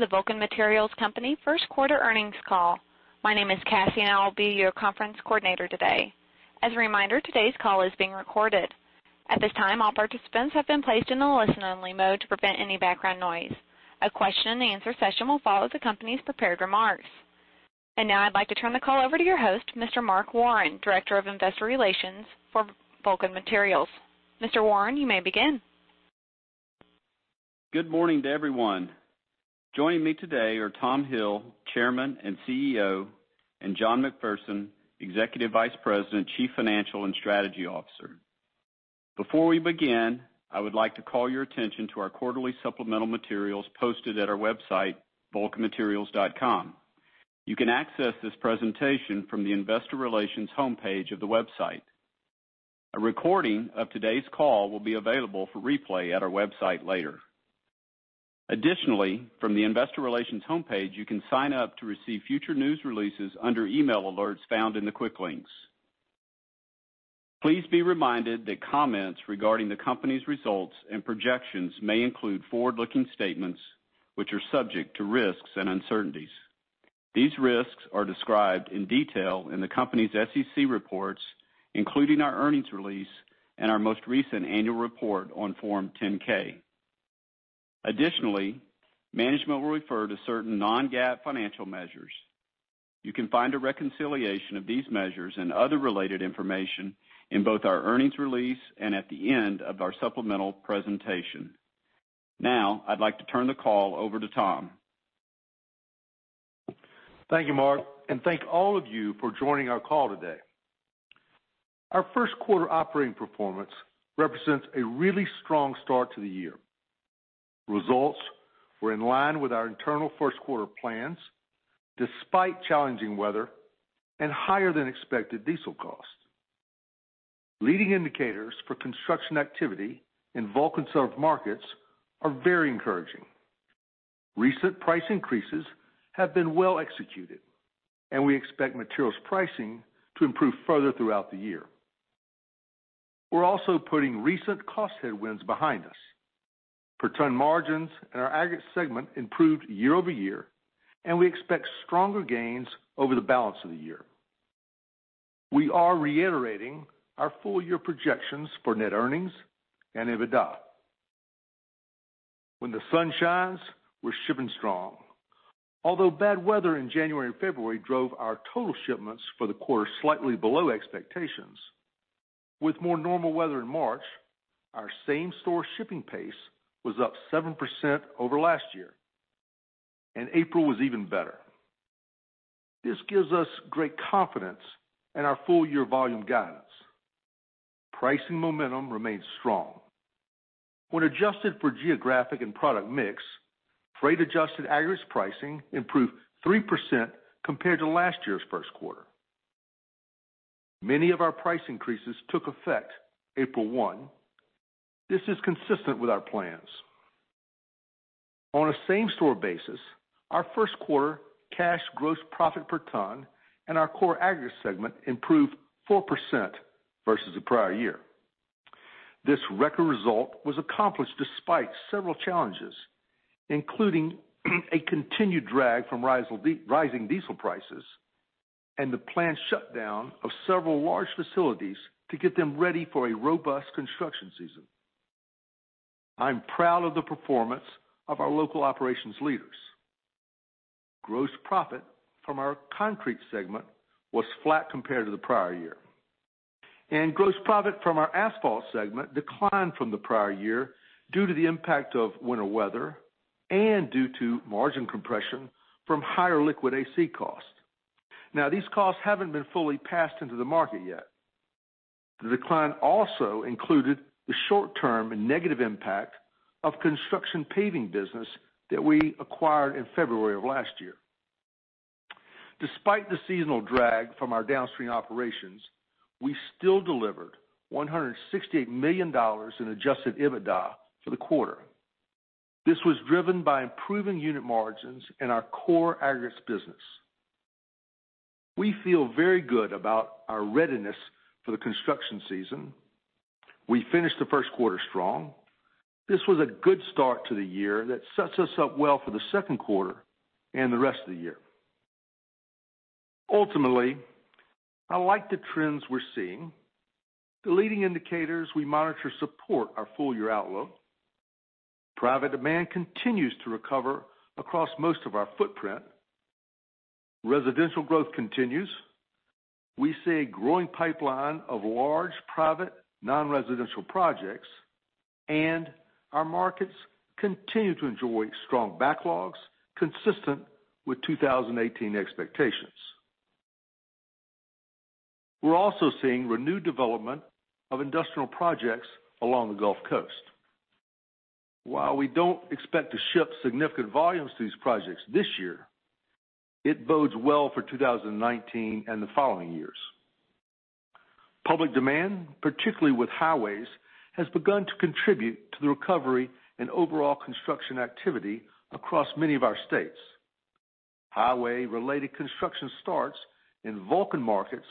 Welcome to the Vulcan Materials Company first quarter earnings call. My name is Cassie, and I'll be your conference coordinator today. As a reminder, today's call is being recorded. At this time, all participants have been placed in a listen-only mode to prevent any background noise. A question and answer session will follow the company's prepared remarks. Now I'd like to turn the call over to your host, Mr. Mark Warren, Director of Investor Relations for Vulcan Materials. Mr. Warren, you may begin. Good morning to everyone. Joining me today are Tom Hill, Chairman and CEO, and John McPherson, Executive Vice President, Chief Financial and Strategy Officer. Before we begin, I would like to call your attention to our quarterly supplemental materials posted at our website, vulcanmaterials.com. You can access this presentation from the investor relations homepage of the website. A recording of today's call will be available for replay at our website later. Additionally, from the investor relations homepage, you can sign up to receive future news releases under email alerts found in the quick links. Please be reminded that comments regarding the company's results and projections may include forward-looking statements, which are subject to risks and uncertainties. These risks are described in detail in the company's SEC reports, including our earnings release and our most recent annual report on Form 10-K. Additionally, management will refer to certain non-GAAP financial measures. You can find a reconciliation of these measures and other related information in both our earnings release and at the end of our supplemental presentation. Now, I'd like to turn the call over to Tom. Thank you, Mark, and thank all of you for joining our call today. Our first quarter operating performance represents a really strong start to the year. Results were in line with our internal first quarter plans, despite challenging weather and higher than expected diesel costs. Leading indicators for construction activity in Vulcan served markets are very encouraging. Recent price increases have been well executed, and we expect materials pricing to improve further throughout the year. We're also putting recent cost headwinds behind us. Per ton margins in our aggregate segment improved year-over-year, and we expect stronger gains over the balance of the year. We are reiterating our full year projections for net earnings and EBITDA. When the sun shines, we're shipping strong. Although bad weather in January and February drove our total shipments for the quarter slightly below expectations, with more normal weather in March, our same-store shipping pace was up 7% over last year, and April was even better. This gives us great confidence in our full year volume guidance. Pricing momentum remains strong. When adjusted for geographic and product mix, freight adjusted aggregates pricing improved 3% compared to last year's first quarter. Many of our price increases took effect April 1. This is consistent with our plans. On a same-store basis, our first quarter cash gross profit per ton in our core aggregates segment improved 4% versus the prior year. This record result was accomplished despite several challenges, including a continued drag from rising diesel prices and the planned shutdown of several large facilities to get them ready for a robust construction season. I'm proud of the performance of our local operations leaders. Gross profit from our concrete segment was flat compared to the prior year. Gross profit from our asphalt segment declined from the prior year due to the impact of winter weather and due to margin compression from higher liquid AC costs. Now, these costs haven't been fully passed into the market yet. The decline also included the short term and negative impact of construction paving business that we acquired in February of last year. Despite the seasonal drag from our downstream operations, we still delivered $168 million in adjusted EBITDA for the quarter. This was driven by improving unit margins in our core aggregates business. We feel very good about our readiness for the construction season. We finished the first quarter strong. This was a good start to the year that sets us up well for the second quarter and the rest of the year. Ultimately, I like the trends we're seeing. The leading indicators we monitor support our full year outlook. Private demand continues to recover across most of our footprint. Residential growth continues. We see a growing pipeline of large private non-residential projects, and our markets continue to enjoy strong backlogs consistent with 2018 expectations. We're also seeing renewed development of industrial projects along the Gulf Coast. While we don't expect to ship significant volumes to these projects this year, it bodes well for 2019 and the following years. Public demand, particularly with highways, has begun to contribute to the recovery and overall construction activity across many of our states. Highway related construction starts in Vulcan markets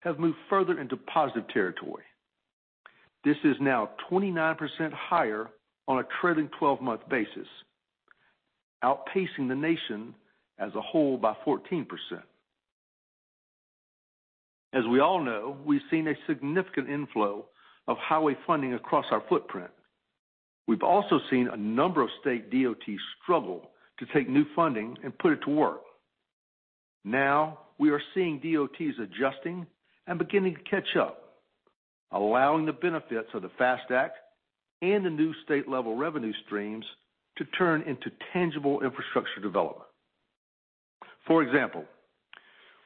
have moved further into positive territory. This is now 29% higher on a trailing 12-month basis, outpacing the nation as a whole by 14%. As we all know, we've seen a significant inflow of highway funding across our footprint. We've also seen a number of state DOTs struggle to take new funding and put it to work. Now we are seeing DOTs adjusting and beginning to catch up, allowing the benefits of the FAST Act and the new state-level revenue streams to turn into tangible infrastructure development. For example,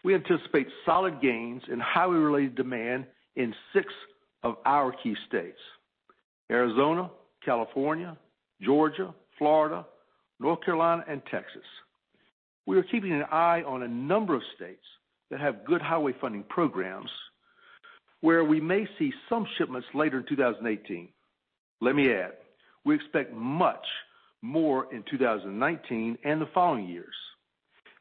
we anticipate solid gains in highway-related demand in six of our key states, Arizona, California, Georgia, Florida, North Carolina, and Texas. We are keeping an eye on a number of states that have good highway funding programs, where we may see some shipments later in 2018. Let me add, we expect much more in 2019 and the following years.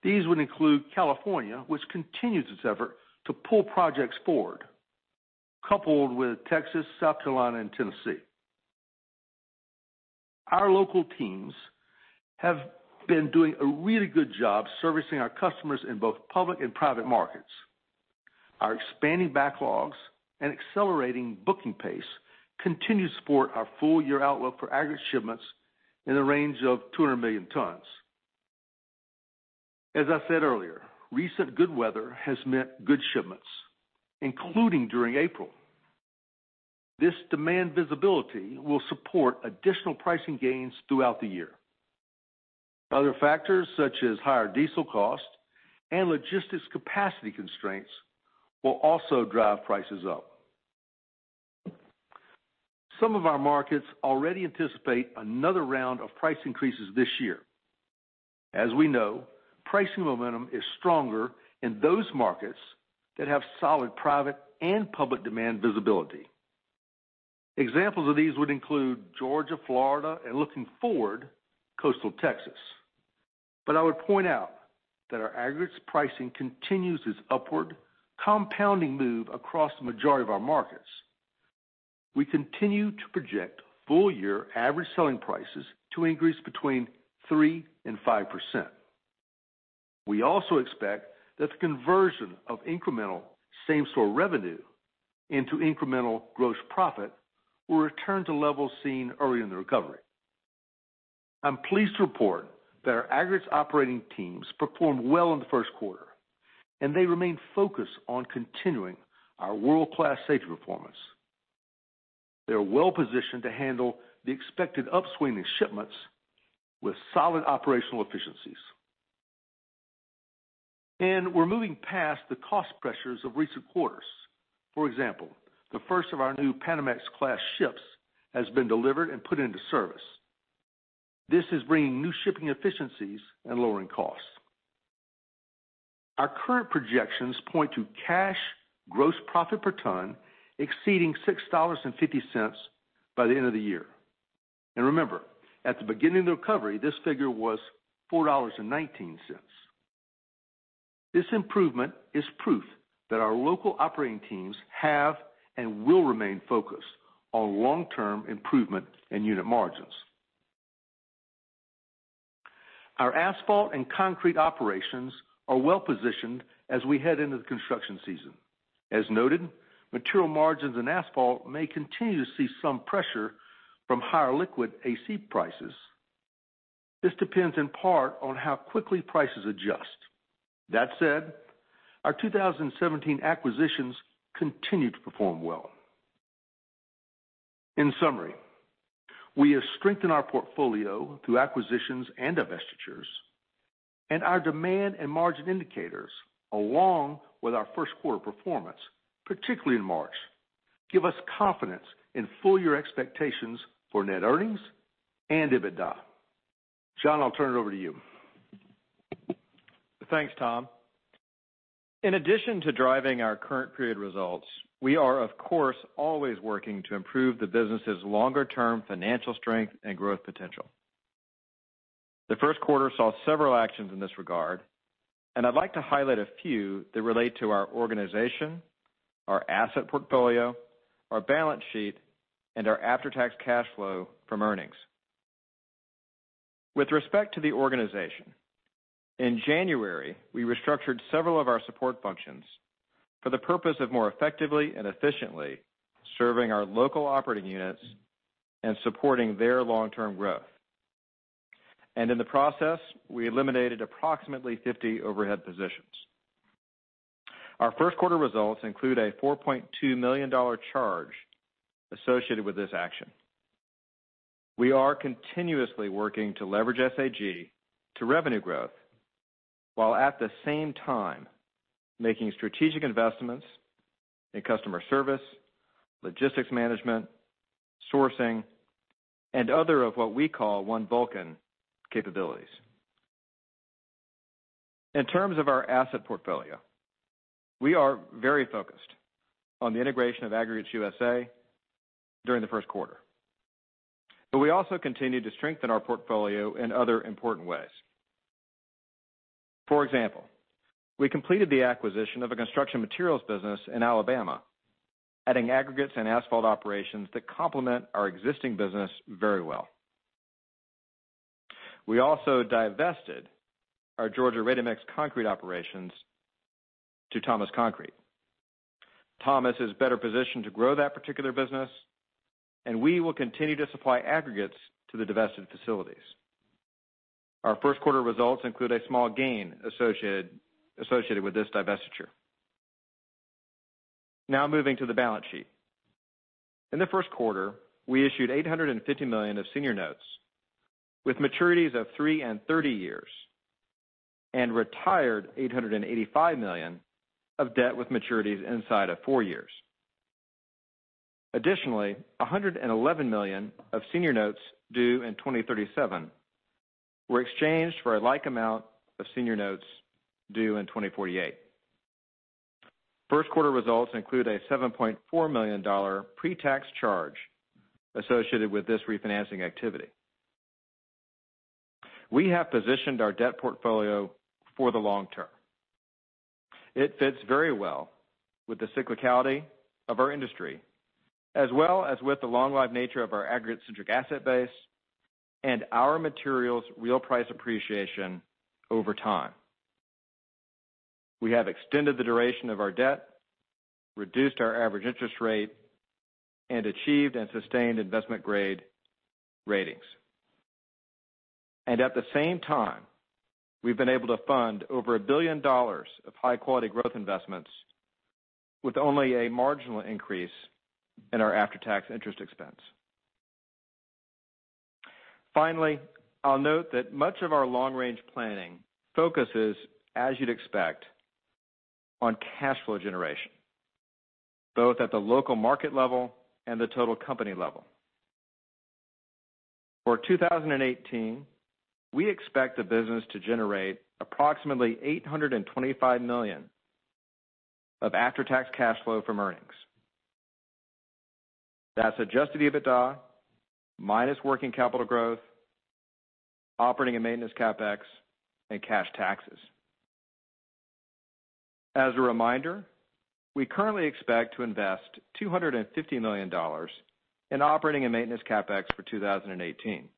These would include California, which continues its effort to pull projects forward, coupled with Texas, South Carolina, and Tennessee. Our local teams have been doing a really good job servicing our customers in both public and private markets. Our expanding backlogs and accelerating booking pace continue to support our full-year outlook for aggregate shipments in the range of 200 million tons. As I said earlier, recent good weather has meant good shipments, including during April. This demand visibility will support additional pricing gains throughout the year. Other factors such as higher diesel cost and logistics capacity constraints will also drive prices up. Some of our markets already anticipate another round of price increases this year. As we know, pricing momentum is stronger in those markets that have solid private and public demand visibility. Examples of these would include Georgia, Florida, and looking forward, coastal Texas. I would point out that our aggregates pricing continues its upward compounding move across the majority of our markets. We continue to project full-year average selling prices to increase between 3% and 5%. We also expect that the conversion of incremental same-store revenue into incremental gross profit will return to levels seen early in the recovery. I'm pleased to report that our aggregates operating teams performed well in the first quarter, and they remain focused on continuing our world-class safety performance. They're well positioned to handle the expected upswing in shipments with solid operational efficiencies. We're moving past the cost pressures of recent quarters. For example, the first of our new Panamax class ships has been delivered and put into service. This is bringing new shipping efficiencies and lowering costs. Our current projections point to cash gross profit per ton exceeding $6.50 by the end of the year. Remember, at the beginning of the recovery, this figure was $4.19. This improvement is proof that our local operating teams have and will remain focused on long-term improvement in unit margins. Our asphalt and concrete operations are well positioned as we head into the construction season. As noted, material margins in asphalt may continue to see some pressure from higher liquid AC prices. This depends in part on how quickly prices adjust. That said, our 2017 acquisitions continue to perform well. In summary, we have strengthened our portfolio through acquisitions and divestitures, and our demand and margin indicators, along with our first quarter performance, particularly in March, give us confidence in full-year expectations for net earnings and EBITDA. John, I'll turn it over to you. Thanks, Tom. In addition to driving our current period results, we are of course always working to improve the business's longer-term financial strength and growth potential. The first quarter saw several actions in this regard, and I'd like to highlight a few that relate to our organization, our asset portfolio, our balance sheet, and our after-tax cash flow from earnings. With respect to the organization, in January, we restructured several of our support functions for the purpose of more effectively and efficiently serving our local operating units and supporting their long-term growth. In the process, we eliminated approximately 50 overhead positions. Our first quarter results include a $4.2 million charge associated with this action. We are continuously working to leverage SAG to revenue growth, while at the same time making strategic investments in customer service, logistics management, sourcing, and other of what we call One Vulcan capabilities. In terms of our asset portfolio, we are very focused on the integration of Aggregates USA during the first quarter. We also continue to strengthen our portfolio in other important ways. For example, we completed the acquisition of a construction materials business in Alabama, adding aggregates and asphalt operations that complement our existing business very well. We also divested our Georgia ready-mix concrete operations to Thomas Concrete. Thomas is better positioned to grow that particular business, and we will continue to supply aggregates to the divested facilities. Our first quarter results include a small gain associated with this divestiture. Now moving to the balance sheet. In the first quarter, we issued $850 million of senior notes with maturities of three and 30 years, and retired $885 million of debt with maturities inside of four years. Additionally, $111 million of senior notes due in 2037 were exchanged for a like amount of senior notes due in 2048. First quarter results include a $7.4 million pre-tax charge associated with this refinancing activity. We have positioned our debt portfolio for the long term. It fits very well with the cyclicality of our industry, as well as with the long-life nature of our aggregate-centric asset base and our materials real price appreciation over time. We have extended the duration of our debt, reduced our average interest rate, and achieved and sustained investment grade ratings. At the same time, we've been able to fund over a billion dollars of high-quality growth investments with only a marginal increase in our after-tax interest expense. Finally, I'll note that much of our long-range planning focuses, as you'd expect, on cash flow generation, both at the local market level and the total company level. For 2018, we expect the business to generate approximately $825 million of after-tax cash flow from earnings. That's adjusted EBITDA, minus working capital growth, operating and maintenance CapEx, and cash taxes. As a reminder, we currently expect to invest $250 million in operating and maintenance CapEx for 2018.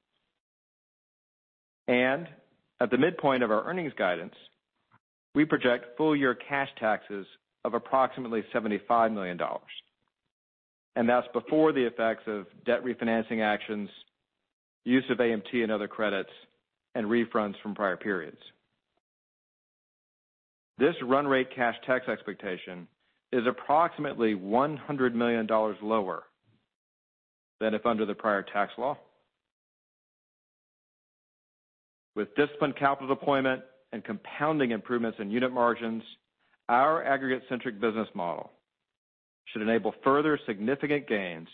At the midpoint of our earnings guidance, we project full-year cash taxes of approximately $75 million. That's before the effects of debt refinancing actions, use of AMT and other credits, and refunds from prior periods. This run rate cash tax expectation is approximately $100 million lower than if under the prior tax law. With disciplined capital deployment and compounding improvements in unit margins, our aggregate-centric business model should enable further significant gains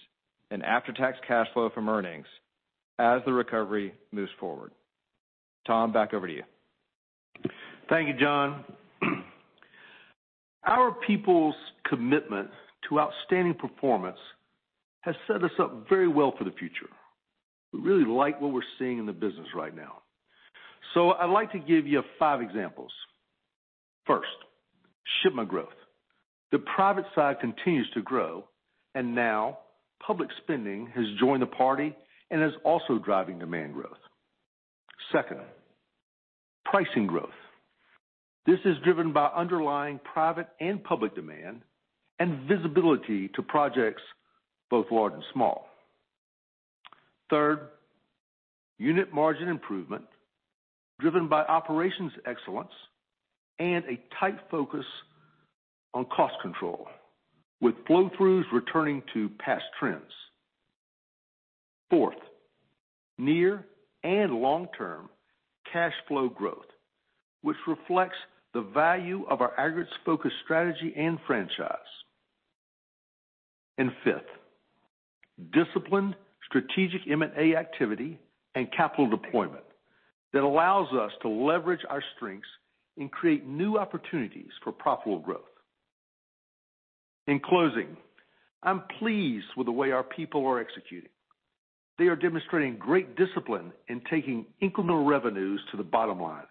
in after-tax cash flow from earnings as the recovery moves forward. Tom, back over to you. Thank you, John. Our people's commitment to outstanding performance has set us up very well for the future. We really like what we're seeing in the business right now. I'd like to give you five examples. First, shipment growth. The private side continues to grow, and now public spending has joined the party and is also driving demand growth. Second, pricing growth. This is driven by underlying private and public demand and visibility to projects both large and small. Third, unit margin improvement driven by operations excellence and a tight focus on cost control, with flow-throughs returning to past trends. Fourth, near and long-term cash flow growth, which reflects the value of our aggregates-focused strategy and franchise. Fifth, disciplined strategic M&A activity and capital deployment that allows us to leverage our strengths and create new opportunities for profitable growth. In closing, I'm pleased with the way our people are executing. They are demonstrating great discipline in taking incremental revenues to the bottom line.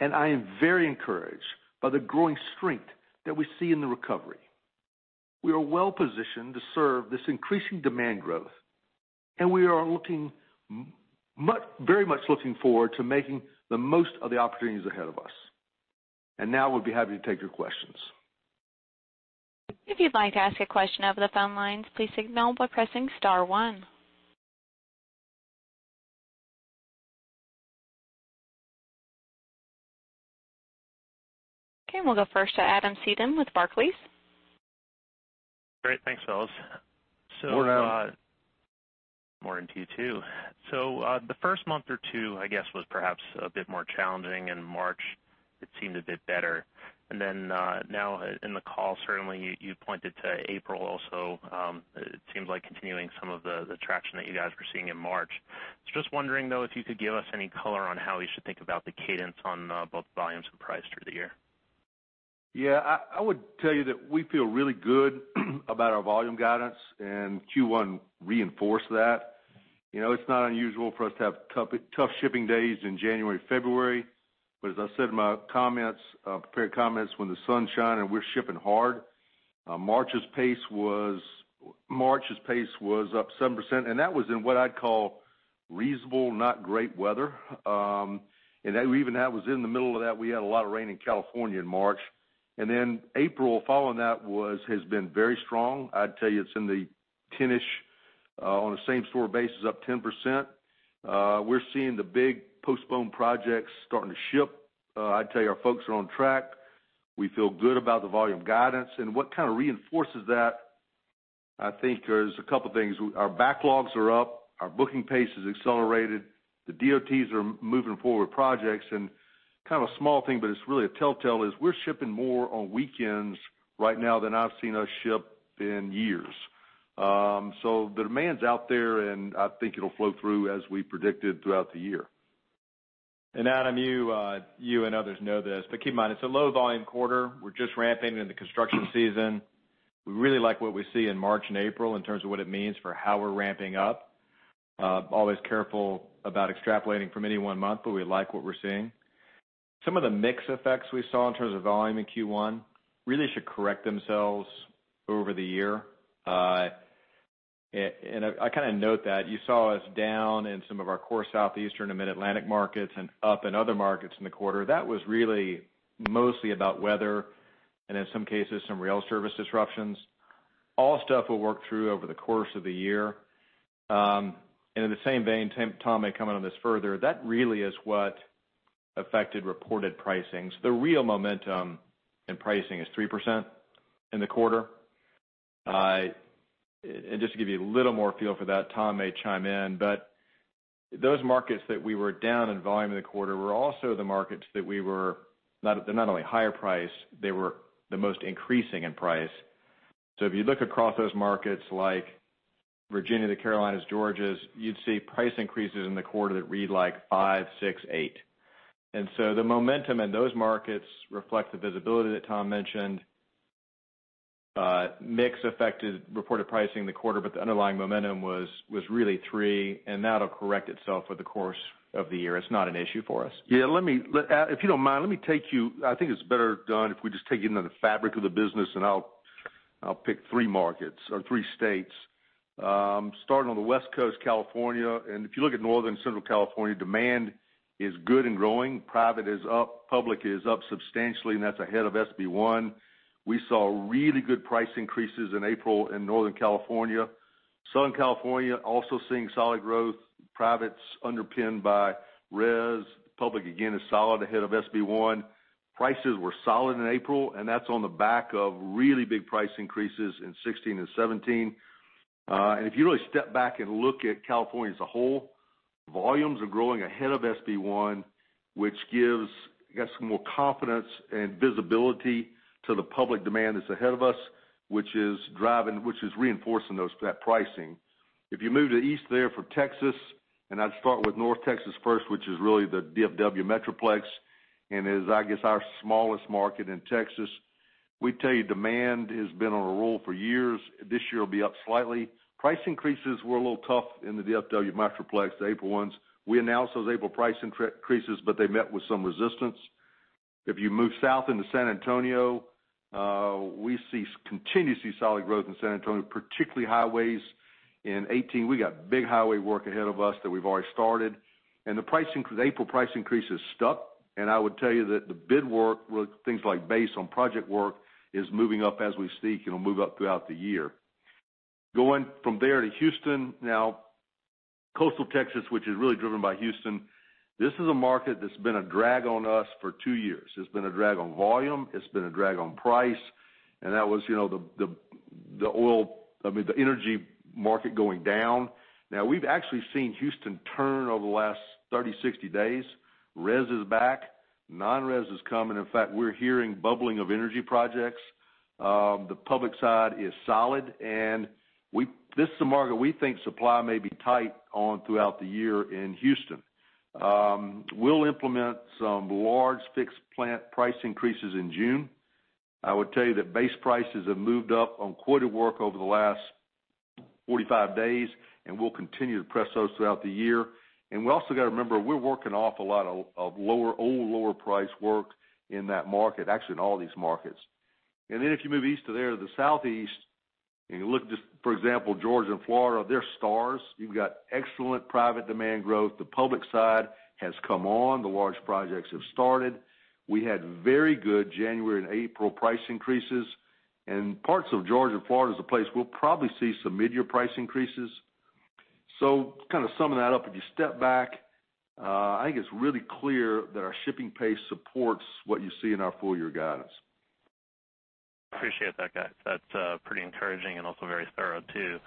I am very encouraged by the growing strength that we see in the recovery. We are well-positioned to serve this increasing demand growth, and we are very much looking forward to making the most of the opportunities ahead of us. Now we'll be happy to take your questions. If you'd like to ask a question over the phone lines, please signal by pressing star one. Okay, we'll go first to Adam Seiden with Barclays. Great. Thanks, fellas. Morning. Morning to you, too. The first month or two, I guess, was perhaps a bit more challenging. In March, it seemed a bit better. Now in the call, certainly, you pointed to April also. It seems like continuing some of the traction that you guys were seeing in March. I was just wondering, though, if you could give us any color on how we should think about the cadence on both volume Yeah, I would tell you that we feel really good about our volume guidance, and Q1 reinforced that. It's not unusual for us to have tough shipping days in January, February. As I said in my prepared comments, when the sun shine and we're shipping hard. March's pace was up 7%, and that was in what I'd call reasonable, not great weather. Even that was in the middle of that, we had a lot of rain in California in March. April following that has been very strong. I'd tell you it's in the 10-ish on a same-store basis, up 10%. We're seeing the big postponed projects starting to ship. I'd tell you our folks are on track. We feel good about the volume guidance. What kind of reinforces that, I think there's a couple of things. Our backlogs are up, our booking pace has accelerated. The DOTs are moving forward projects and kind of a small thing, but it's really a telltale, is we're shipping more on weekends right now than I've seen us ship in years. The demand's out there, and I think it'll flow through as we predicted throughout the year. Adam, you and others know this, keep in mind, it's a low volume quarter. We're just ramping into the construction season. We really like what we see in March and April in terms of what it means for how we're ramping up. Always careful about extrapolating from any one month, but we like what we're seeing. Some of the mix effects we saw in terms of volume in Q1 really should correct themselves over the year. I kind of note that you saw us down in some of our core Southeastern and Mid-Atlantic markets and up in other markets in the quarter. That was really mostly about weather and in some cases, some rail service disruptions. All stuff we'll work through over the course of the year. In the same vein, Tom may comment on this further. That really is what affected reported pricings. The real momentum in pricing is 3% in the quarter. Just to give you a little more feel for that, Tom may chime in, those markets that we were down in volume in the quarter were also the markets that they're not only higher price, they were the most increasing in price. If you look across those markets like Virginia, the Carolinas, Georgia, you'd see price increases in the quarter that read like five, six, eight. The momentum in those markets reflect the visibility that Tom mentioned. Mix affected reported pricing in the quarter, the underlying momentum was really three, and that'll correct itself over the course of the year. It's not an issue for us. Yeah. I think it's better done if we just take you into the fabric of the business, I'll pick three markets or three states. Starting on the West Coast, California, if you look at Northern and Central California, demand is good and growing. Private is up, public is up substantially, that's ahead of SB 1. We saw really good price increases in April in Northern California. Southern California also seeing solid growth, privates underpinned by res. Public again is solid ahead of SB 1. Prices were solid in April, that's on the back of really big price increases in 2016 and 2017. If you really step back and look at California as a whole, volumes are growing ahead of SB 1, which gives, I guess, more confidence and visibility to the public demand that's ahead of us, which is reinforcing that pricing. If you move to the east there for Texas, I'd start with North Texas first, which is really the DFW metroplex, is I guess our smallest market in Texas. We tell you demand has been on a roll for years. This year will be up slightly. Price increases were a little tough in the DFW metroplex, the April ones. We announced those April price increases, they met with some resistance. If you move south into San Antonio, we continue to see solid growth in San Antonio, particularly highways. In 2018, we got big highway work ahead of us that we've already started. The April price increase has stuck, I would tell you that the bid work with things like base on project work is moving up as we speak, it'll move up throughout the year. Going from there to Houston now, coastal Texas, which is really driven by Houston, this is a market that's been a drag on us for two years. It's been a drag on volume. It's been a drag on price. That was the energy market going down. We've actually seen Houston turn over the last 30, 60 days. Res is back. Non-res is coming. In fact, we're hearing bubbling of energy projects. The public side is solid, this is a market we think supply may be tight on throughout the year in Houston. We'll implement some large fixed plant price increases in June. I would tell you that base prices have moved up on quoted work over the last 45 days, we'll continue to press those throughout the year. We also got to remember, we're working off a lot of old lower price work in that market, actually in all these markets. If you move east to there to the Southeast, and you look just for example, Georgia and Florida, they're stars. You've got excellent private demand growth. The public side has come on. The large projects have started. We had very good January and April price increases. Parts of Georgia and Florida is a place we'll probably see some mid-year price increases. To kind of sum that up, if you step back, I think it's really clear that our shipping pace supports what you see in our full year guidance. Appreciate that. That's pretty encouraging and also very thorough too.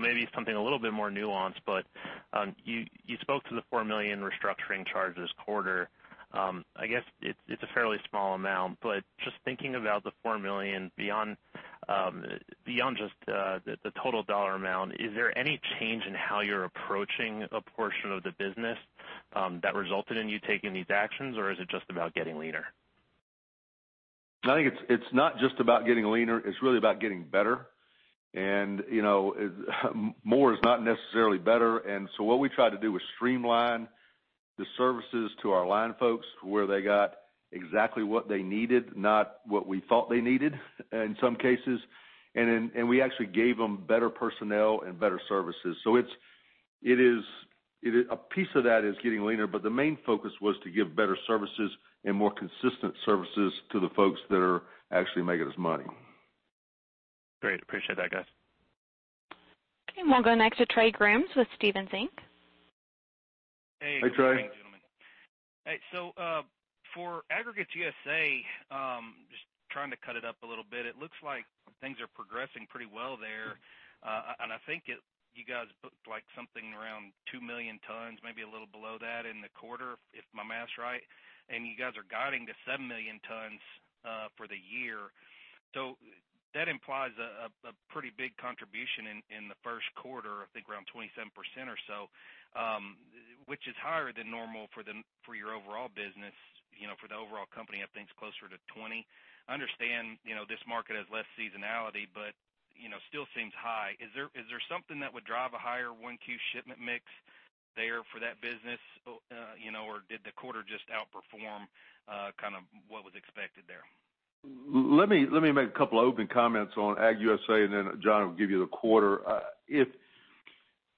Maybe something a little bit more nuanced, but you spoke to the $4 million restructuring charge this quarter. I guess it's a fairly small amount, but just thinking about the $4 million beyond just the total dollar amount, is there any change in how you're approaching a portion of the business that resulted in you taking these actions, or is it just about getting leaner? I think it's not just about getting leaner, it's really about getting better. More is not necessarily better, what we tried to do is streamline the services to our line folks to where they got exactly what they needed, not what we thought they needed in some cases. We actually gave them better personnel and better services. A piece of that is getting leaner, but the main focus was to give better services and more consistent services to the folks that are actually making us money. Great. Appreciate that, guys. We'll go next to Trey Grooms with Stephens Inc. Hey, Trey. Hey, gentlemen. For Aggregates USA, just trying to cut it up a little bit, it looks like things are progressing pretty well there. I think you guys looked like something around 2 million tons, maybe a little below that in the quarter, if my math's right, you guys are guiding to 7 million tons for the year. That implies a pretty big contribution in the first quarter, I think around 27% or so, which is higher than normal for your overall business, for the overall company. I think it's closer to 20%. I understand this market has less seasonality, but still seems high. Is there something that would drive a higher 1Q shipment mix there for that business? Did the quarter just outperform what was expected there? Let me make a couple open comments on Agg USA, then John will give you the quarter.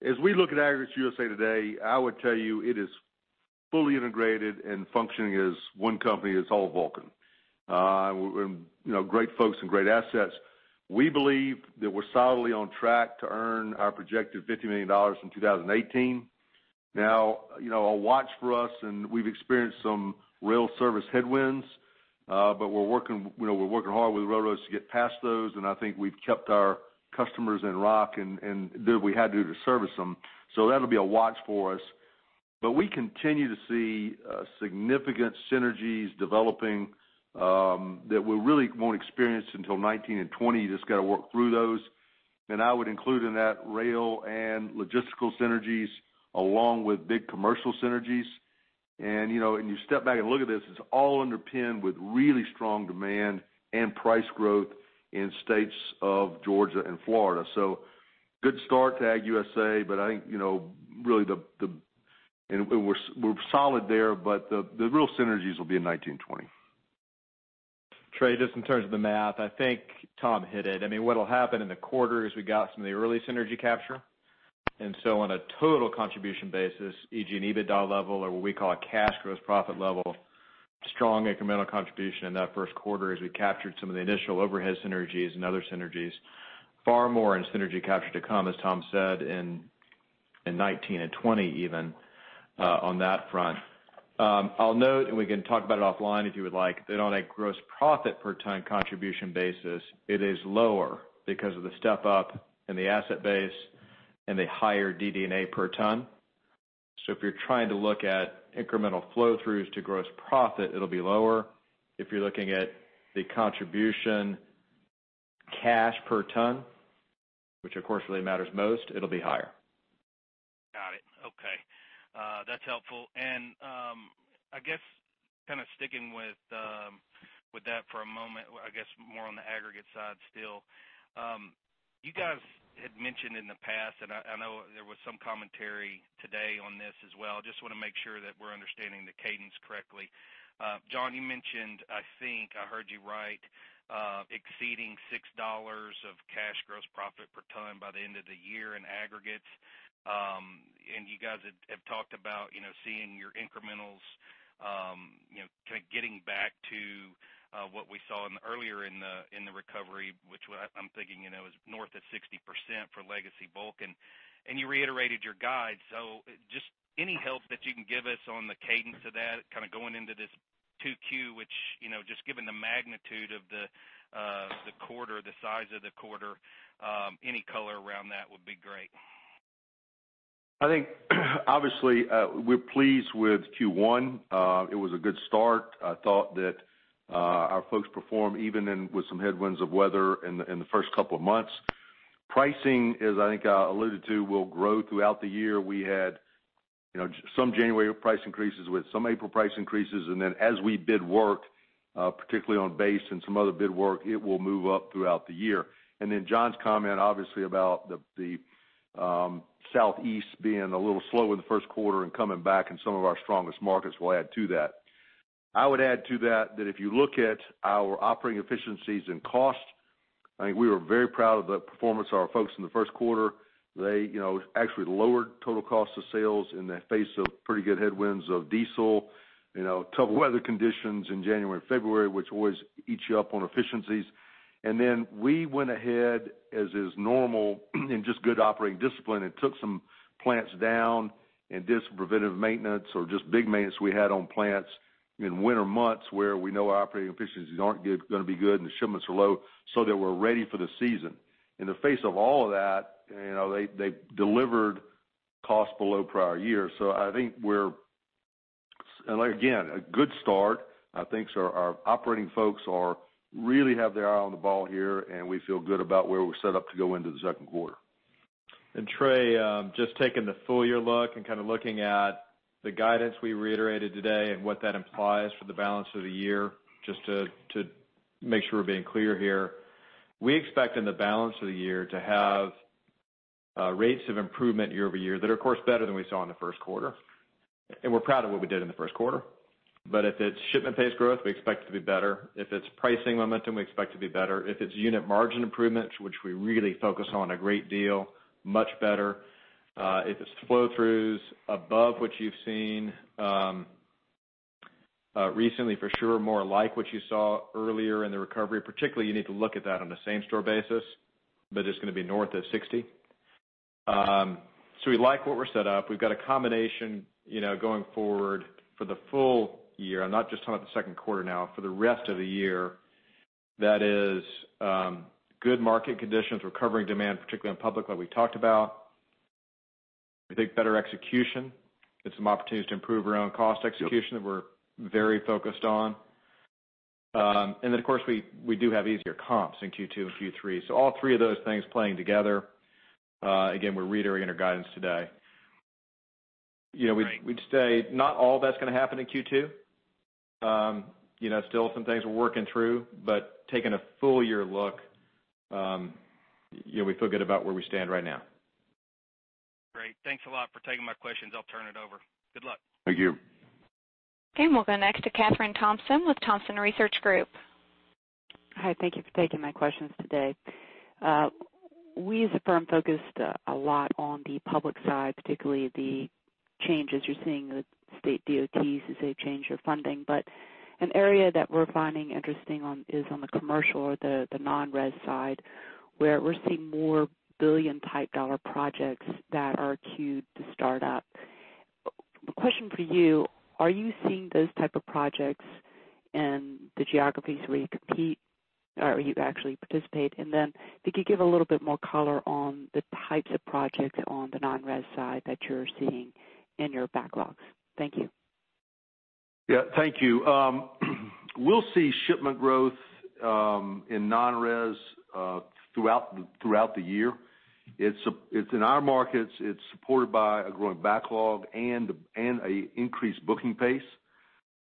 As we look at Aggregates USA today, I would tell you it is fully integrated and functioning as one company that's whole Vulcan. Great folks and great assets. We believe that we're solidly on track to earn our projected $50 million in 2018. A watch for us, we've experienced some rail service headwinds, but we're working hard with railroads to get past those, and I think we've kept our customers in rock and did what we had to do to service them. That'll be a watch for us. We continue to see significant synergies developing, that we really won't experience until 2019 and 2020. Just got to work through those. I would include in that rail and logistical synergies along with big commercial synergies. When you step back and look at this, it's all underpinned with really strong demand and price growth in states of Georgia and Florida. Good start to Agg USA, and we're solid there, but the real synergies will be in 2019, 2020. Trey, just in terms of the math, I think Tom hit it. What'll happen in the quarter is we got some of the early synergy capture. On a total contribution basis, e.g., and EBITDA level or what we call a cash gross profit level, strong incremental contribution in that first quarter as we captured some of the initial overhead synergies and other synergies. Far more in synergy capture to come, as Tom said, in 2019 and 2020 even on that front. I'll note, we can talk about it offline if you would like, that on a gross profit per ton contribution basis, it is lower because of the step up in the asset base and the higher DD&A per ton. If you're trying to look at incremental flow throughs to gross profit, it'll be lower. If you're looking at the contribution cash per ton, which of course really matters most, it'll be higher. Got it. Okay. That's helpful. I guess sticking with that for a moment, more on the aggregate side still. You guys had mentioned in the past, I know there was some commentary today on this as well, just want to make sure that we're understanding the cadence correctly. John, you mentioned, I think I heard you right, exceeding $6 of cash gross profit per ton by the end of the year in aggregates. You guys have talked about seeing your incrementals getting back to what we saw earlier in the recovery, which I'm thinking is north of 60% for legacy Vulcan. You reiterated your guide. Just any help that you can give us on the cadence of that going into this 2Q, which just given the magnitude of the quarter, the size of the quarter, any color around that would be great. I think obviously, we're pleased with Q1. It was a good start. I thought that our folks performed even with some headwinds of weather in the first couple of months. Pricing, I think I alluded to, will grow throughout the year. We had some January price increases with some April price increases, then as we bid work, particularly on base and some other bid work, it will move up throughout the year. John's comment obviously about the Southeast being a little slow in the first quarter and coming back in some of our strongest markets will add to that. I would add to that if you look at our operating efficiencies and cost, I think we were very proud of the performance of our folks in the first quarter. They actually lowered total cost of sales in the face of pretty good headwinds of diesel, tough weather conditions in January and February, which always eats you up on efficiencies. We went ahead as is normal in just good operating discipline and took some plants down and did some preventive maintenance or just big maintenance we had on plants in winter months where we know our operating efficiencies aren't going to be good and the shipments are low, so that we're ready for the season. In the face of all of that, they delivered cost below prior year. I think we're again, a good start. I think our operating folks really have their eye on the ball here, we feel good about where we're set up to go into the second quarter. Trey, just taking the full year look and kind of looking at the guidance we reiterated today and what that implies for the balance of the year, just to make sure we're being clear here. We expect in the balance of the year to have rates of improvement year-over-year that are, of course, better than we saw in the first quarter. We're proud of what we did in the first quarter. If it's shipment pace growth, we expect it to be better. If it's pricing momentum, we expect it to be better. If it's unit margin improvements, which we really focus on a great deal, much better. If it's flow-throughs above what you've seen recently, for sure, more like what you saw earlier in the recovery. Particularly, you need to look at that on a same-store basis. It's going to be north of 60%. We like what we're set up. We've got a combination going forward for the full year. I'm not just talking about the second quarter now, for the rest of the year. That is good market conditions, recovering demand, particularly on public, like we talked about. We think better execution and some opportunities to improve our own cost execution that we're very focused on. Then, of course, we do have easier comps in Q2 and Q3. All three of those things playing together. Again, we're reiterating our guidance today. Right. We'd say not all that's going to happen in Q2. Still some things we're working through, but taking a full year look, we feel good about where we stand right now. Great. Thanks a lot for taking my questions. I'll turn it over. Good luck. Thank you. Okay, we'll go next to Kathryn Thompson with Thompson Research Group. Hi, thank you for taking my questions today. We as a firm focused a lot on the public side, particularly the changes you're seeing with state DOTs as they change their funding. An area that we're finding interesting is on the commercial or the non-res side, where we're seeing more billion-type dollar projects that are queued to start up. Question for you: are you seeing those type of projects in the geographies where you compete or you actually participate? Then if you could give a little bit more color on the types of projects on the non-res side that you're seeing in your backlogs. Thank you. Yeah, thank you. We'll see shipment growth in non-res throughout the year. It's in our markets. It's supported by a growing backlog and an increased booking pace.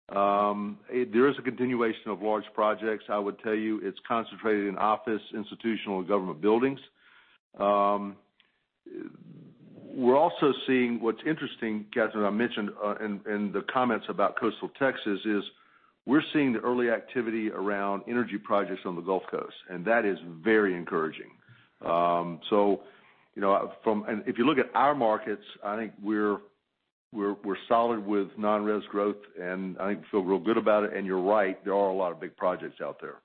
There is a continuation of large projects. I would tell you it's concentrated in office, institutional, and government buildings. We're also seeing what's interesting, Kathryn, I mentioned in the comments about coastal Texas, is we're seeing the early activity around energy projects on the Gulf Coast. That is very encouraging. If you look at our markets, I think we're solid with non-res growth, and I think we feel real good about it. You're right, there are a lot of big projects out there.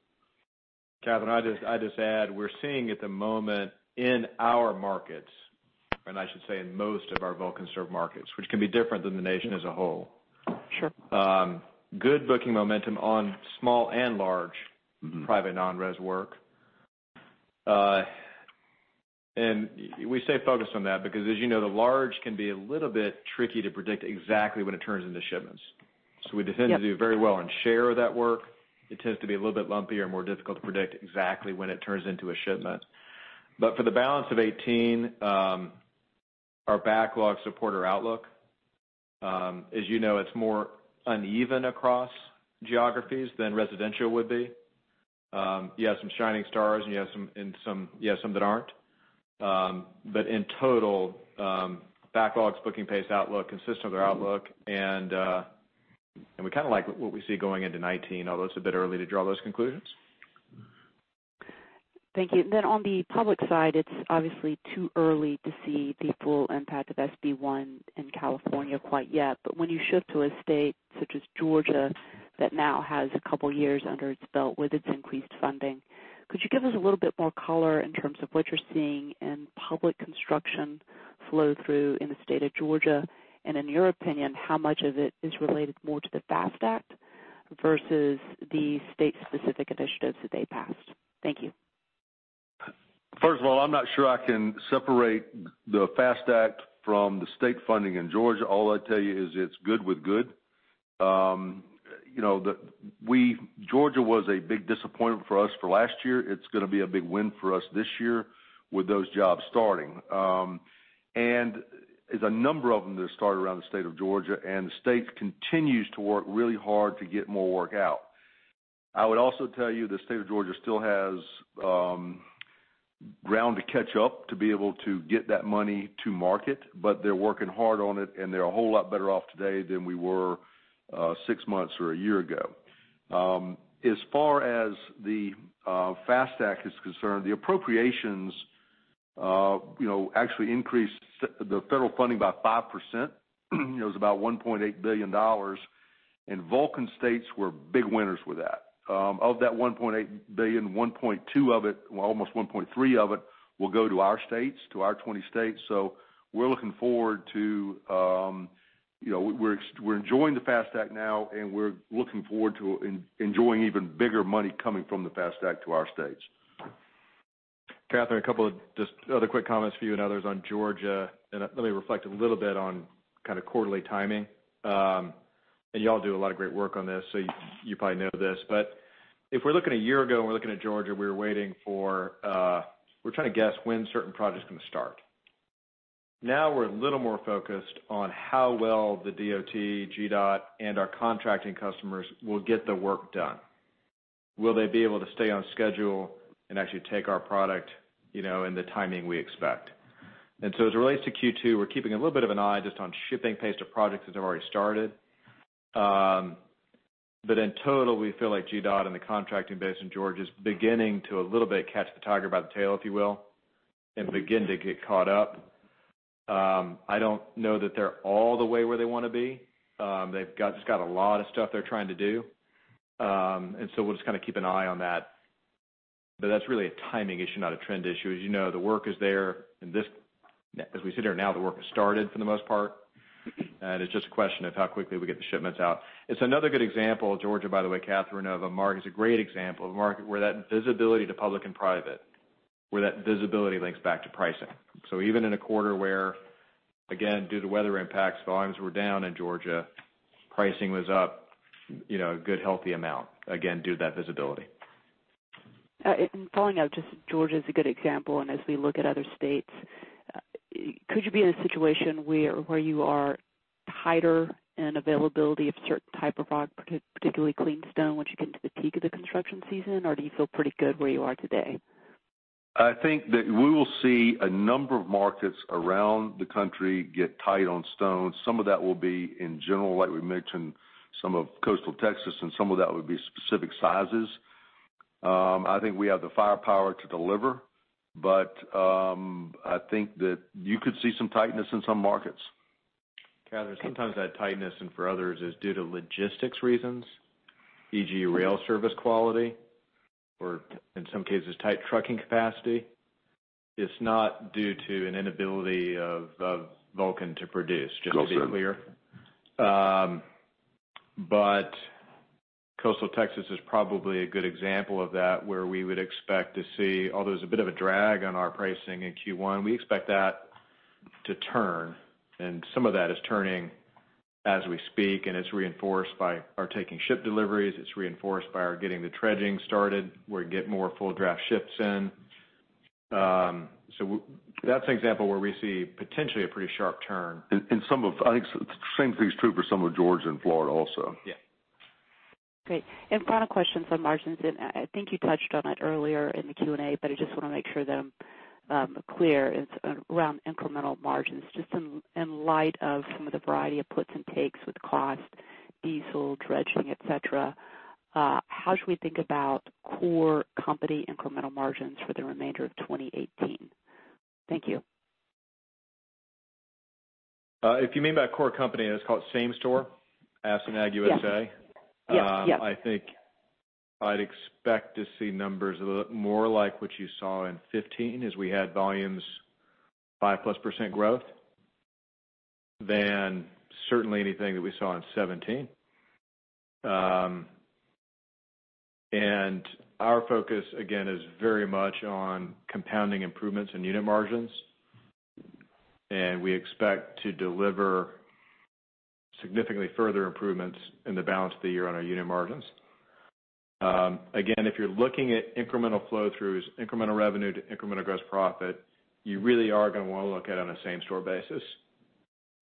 Kathryn, I'd just add, we're seeing at the moment in our markets. I should say in most of our Vulcan serve markets, which can be different than the nation as a whole. Sure. Good booking momentum on small and large private non-res work. We stay focused on that because as you know, the large can be a little bit tricky to predict exactly when it turns into shipments. Yep. We tend to do very well on share of that work. It tends to be a little bit lumpier and more difficult to predict exactly when it turns into a shipment. For the balance of 2018, our backlogs support our outlook. As you know, it's more uneven across geographies than residential would be. You have some shining stars and you have some that aren't. In total, backlogs, booking pace outlook, consistent with our outlook. We kind of like what we see going into 2019, although it's a bit early to draw those conclusions. Thank you. On the public side, it's obviously too early to see the full impact of SB 1 in California quite yet. When you shift to a state such as Georgia that now has a couple of years under its belt with its increased funding, could you give us a little bit more color in terms of what you're seeing in public construction flow-through in the state of Georgia? In your opinion, how much of it is related more to the FAST Act versus the state specific initiatives that they passed? Thank you. First of all, I'm not sure I can separate the FAST Act from the state funding in Georgia. All I'd tell you is it's good with good. Georgia was a big disappointment for us for last year. It's going to be a big win for us this year with those jobs starting. There's a number of them that have started around the state of Georgia, and the state continues to work really hard to get more work out. I would also tell you the state of Georgia still has ground to catch up to be able to get that money to market, but they're working hard on it, and they're a whole lot better off today than we were six months or a year ago. As far as the FAST Act is concerned, the appropriations actually increased the federal funding by 5%. It was about $1.8 billion, Vulcan states were big winners with that. Of that $1.8 billion, $1.2 of it, well, almost $1.3 of it will go to our states, to our 20 states. We're looking forward to we're enjoying the FAST Act now, and we're looking forward to enjoying even bigger money coming from the FAST Act to our states. Kathryn, a couple of just other quick comments for you and others on Georgia. Let me reflect a little bit on kind of quarterly timing. You all do a lot of great work on this, so you probably know this. If we're looking a year ago and we're looking at Georgia, we're trying to guess when certain projects are going to start. Now we're a little more focused on how well the DOT, GDOT, and our contracting customers will get the work done. Will they be able to stay on schedule and actually take our product in the timing we expect? As it relates to Q2, we're keeping a little bit of an eye just on shipping pace to projects that have already started. In total, we feel like GDOT and the contracting base in Georgia is beginning to a little bit catch the tiger by the tail, if you will, and begin to get caught up. I don't know that they're all the way where they want to be. They've just got a lot of stuff they're trying to do. We'll just kind of keep an eye on that. That's really a timing issue, not a trend issue. As you know, the work is there, and as we sit here now, the work has started for the most part. It's just a question of how quickly we get the shipments out. It's another good example, Georgia, by the way, Catherine, of a market, it's a great example of a market where that visibility to public and private, where that visibility links back to pricing. Even in a quarter where, again, due to weather impacts, volumes were down in Georgia, pricing was up a good healthy amount, again, due to that visibility. Following up, just Georgia is a good example. As we look at other states, could you be in a situation where you are tighter in availability of certain type of rock, particularly clean stone, once you get into the peak of the construction season? Do you feel pretty good where you are today? I think that we will see a number of markets around the country get tight on stone. Some of that will be in general, like we mentioned, some of coastal Texas, and some of that would be specific sizes. I think we have the firepower to deliver, but I think that you could see some tightness in some markets. Kathryn, sometimes that tightness, and for others, is due to logistics reasons, e.g., rail service quality, or in some cases, tight trucking capacity. It's not due to an inability of Vulcan to produce. Correct Just to be clear. Coastal Texas is probably a good example of that, where we would expect to see, although there's a bit of a drag on our pricing in Q1, we expect that to turn, and some of that is turning as we speak, and it's reinforced by our taking ship deliveries. It's reinforced by our getting the dredging started. We're getting more full draft ships in. That's an example where we see potentially a pretty sharp turn. I think the same thing is true for some of Georgia and Florida also. Yeah. Great. Final question on margins, and I think you touched on it earlier in the Q&A, but I just want to make sure that I'm clear, is around incremental margins. Just in light of some of the variety of puts and takes with cost, diesel, dredging, et cetera, how should we think about core company incremental margins for the remainder of 2018? Thank you. If you mean by core company, it's called same store, as in Aggregates USA. Yes. I think I'd expect to see numbers that look more like what you saw in 2015, as we had volumes 5%+ growth, than certainly anything that we saw in 2017. Our focus, again, is very much on compounding improvements in unit margins. We expect to deliver significantly further improvements in the balance of the year on our unit margins. Again, if you're looking at incremental flow-throughs, incremental revenue to incremental gross profit, you really are going to want to look at it on a same-store basis.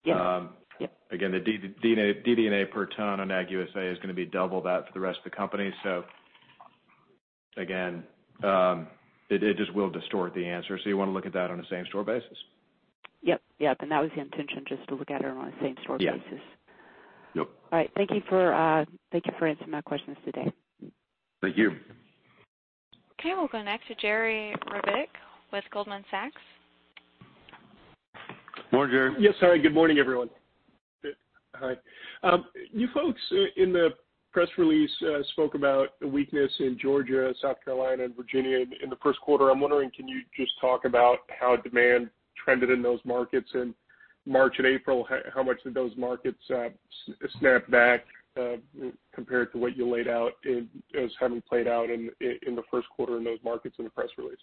Yeah. The DD&A per ton on Aggregates USA is going to be double that for the rest of the company. Again, it just will distort the answer, you want to look at that on a same-store basis. Yep. That was the intention, just to look at it on a same-store basis. Yeah. Yep. All right. Thank you for answering my questions today. Thank you. Okay, we'll go next to Jerry Revich with Goldman Sachs. Morning, Jerry. Yes, sorry, good morning, everyone. Hi. You folks in the press release spoke about the weakness in Georgia, South Carolina, and Virginia in the first quarter. I'm wondering, can you just talk about how demand trended in those markets in March and April? How much did those markets snap back compared to what you laid out as having played out in the first quarter in those markets in the press release?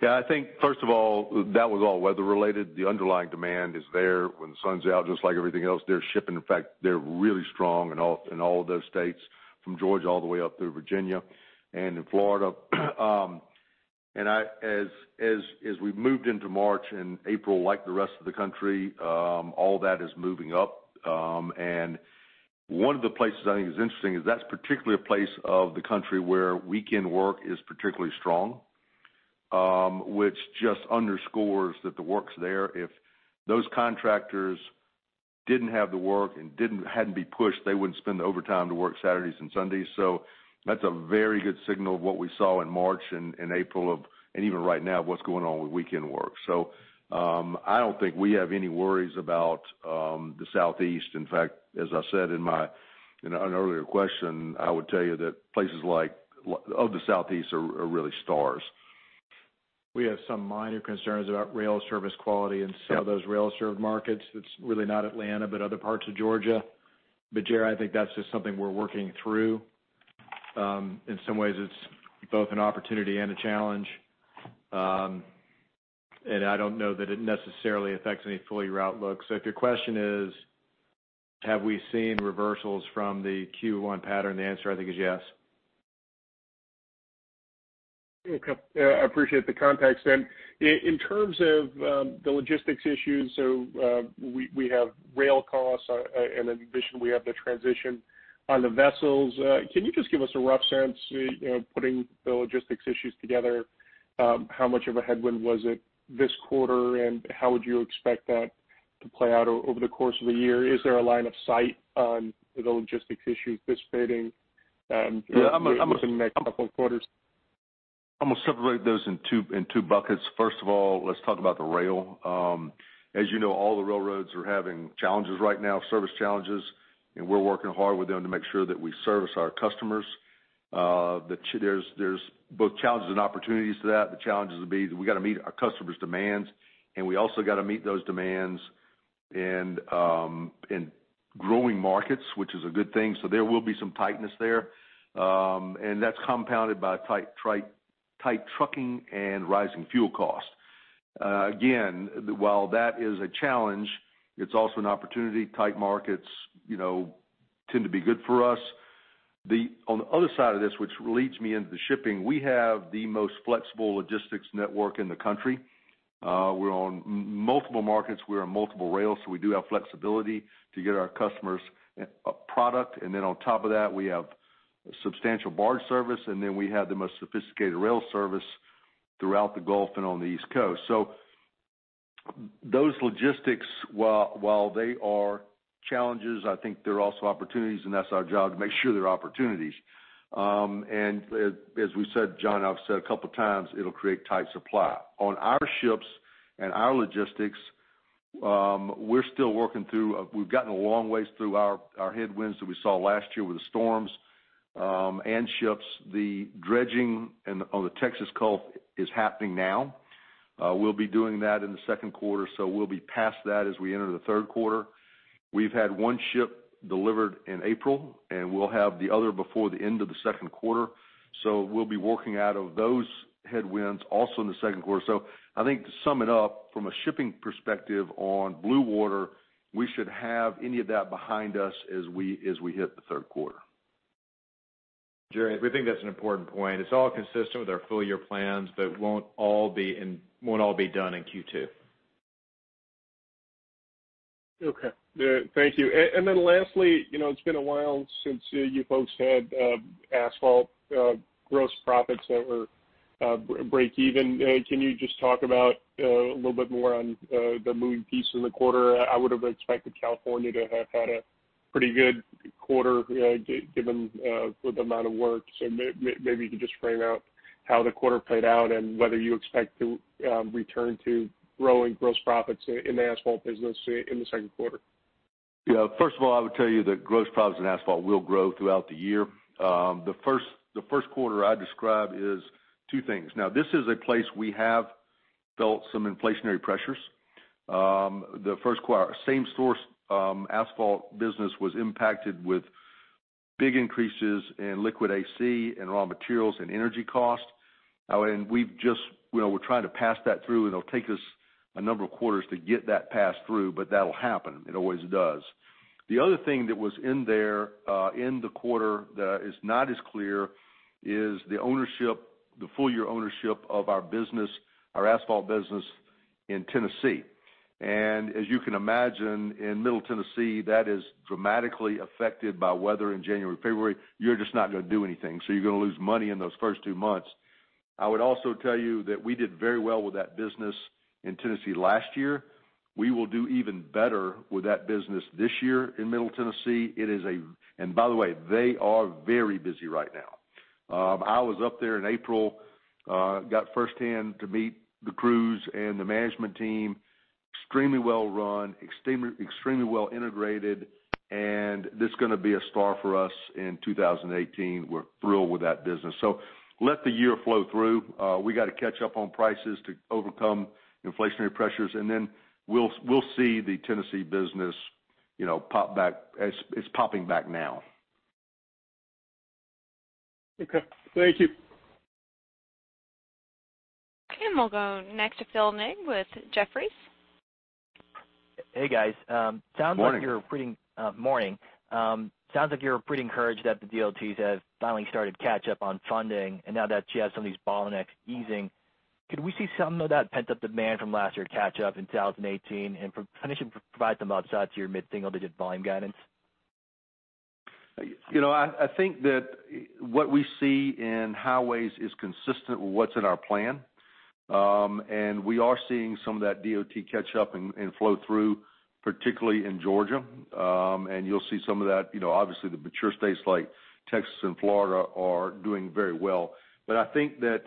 Yeah, I think first of all, that was all weather related. The underlying demand is there. When the sun's out, just like everything else, they're shipping. In fact, they're really strong in all of those states, from Georgia all the way up through Virginia and in Florida. As we moved into March and April, like the rest of the country, all that is moving up. One of the places I think is interesting is that's particularly a place of the country where weekend work is particularly strong, which just underscores that the work's there. If those contractors didn't have the work and hadn't been pushed, they wouldn't spend the overtime to work Saturdays and Sundays. That's a very good signal of what we saw in March and April of, and even right now, what's going on with weekend work. I don't think we have any worries about the Southeast. In fact, as I said in an earlier question, I would tell you that places of the Southeast are really stars. We have some minor concerns about rail service quality in some of those rail-served markets. It's really not Atlanta, but other parts of Georgia. Jerry, I think that's just something we're working through. In some ways, it's both an opportunity and a challenge. I don't know that it necessarily affects any full-year outlook. If your question is, have we seen reversals from the Q1 pattern? The answer, I think, is yes. Okay. I appreciate the context then. In terms of the logistics issues, we have rail costs, and in addition, we have the transition on the vessels. Can you just give us a rough sense, putting the logistics issues together, how much of a headwind was it this quarter, and how would you expect that to play out over the course of the year? Is there a line of sight on the logistics issues dissipating in the next couple of quarters? I'm going to separate those in two buckets. First of all, let's talk about the rail. As you know, all the railroads are having challenges right now, service challenges, and we're working hard with them to make sure that we service our customers. There's both challenges and opportunities to that. The challenge is going to be that we got to meet our customers' demands, and we also got to meet those demands in growing markets, which is a good thing. There will be some tightness there. That's compounded by tight trucking and rising fuel costs. Again, while that is a challenge, it's also an opportunity. Tight markets tend to be good for us. On the other side of this, which leads me into the shipping, we have the most flexible logistics network in the country. We're on multiple markets, we're on multiple rails, we do have flexibility to get our customers product. On top of that, we have substantial barge service. We have the most sophisticated rail service throughout the Gulf and on the East Coast. Those logistics, while they are challenges, I think they're also opportunities, and that's our job to make sure they're opportunities. As we said, John, I've said a couple of times, it'll create tight supply. On our ships and our logistics, we're still working through. We've gotten a long ways through our headwinds that we saw last year with the storms and ships. The dredging on the Texas Gulf is happening now. We'll be doing that in the second quarter, so we'll be past that as we enter the third quarter. We've had one ship delivered in April, and we'll have the other before the end of the second quarter. We'll be working out of those headwinds also in the second quarter. I think to sum it up from a shipping perspective on blue water, we should have any of that behind us as we hit the third quarter. Jerry, we think that's an important point. It's all consistent with our full-year plans, but it won't all be done in Q2. Okay. Thank you. Lastly, it's been a while since you folks had asphalt gross profits that were break even. Can you just talk about a little bit more on the moving piece in the quarter? I would have expected California to have had a pretty good quarter given with the amount of work. Maybe you could just frame out how the quarter played out and whether you expect to return to growing gross profits in the asphalt business in the second quarter. Yeah. First of all, I would tell you that gross profits in asphalt will grow throughout the year. The first quarter I describe is two things. This is a place we have felt some inflationary pressures. The first quarter, same source asphalt business was impacted with big increases in liquid AC and raw materials and energy costs. We're trying to pass that through. It'll take us a number of quarters to get that passed through, but that'll happen. It always does. The other thing that was in there in the quarter that is not as clear is the full-year ownership of our asphalt business in Tennessee. As you can imagine, in middle Tennessee, that is dramatically affected by weather in January, February. You're just not going to do anything. You're going to lose money in those first two months. I would also tell you that we did very well with that business in Tennessee last year. We will do even better with that business this year in middle Tennessee. By the way, they are very busy right now. I was up there in April, got firsthand to meet the crews and the management team. Extremely well run, extremely well integrated. This is going to be a star for us in 2018. We're thrilled with that business. Let the year flow through. We got to catch up on prices to overcome inflationary pressures. We'll see the Tennessee business pop back as it's popping back now. Okay. Thank you. We'll go next to Phil Ng with Jefferies. Hey, guys. Morning. Morning. Sounds like you're pretty encouraged that the DOTs have finally started to catch up on funding, now that you have some of these bottlenecks easing, could we see some of that pent-up demand from last year catch up in 2018? Can you provide some upside to your mid-single digit volume guidance? I think that what we see in highways is consistent with what's in our plan. We are seeing some of that DOT catch up and flow through, particularly in Georgia. You'll see some of that, obviously the mature states like Texas and Florida are doing very well. I think that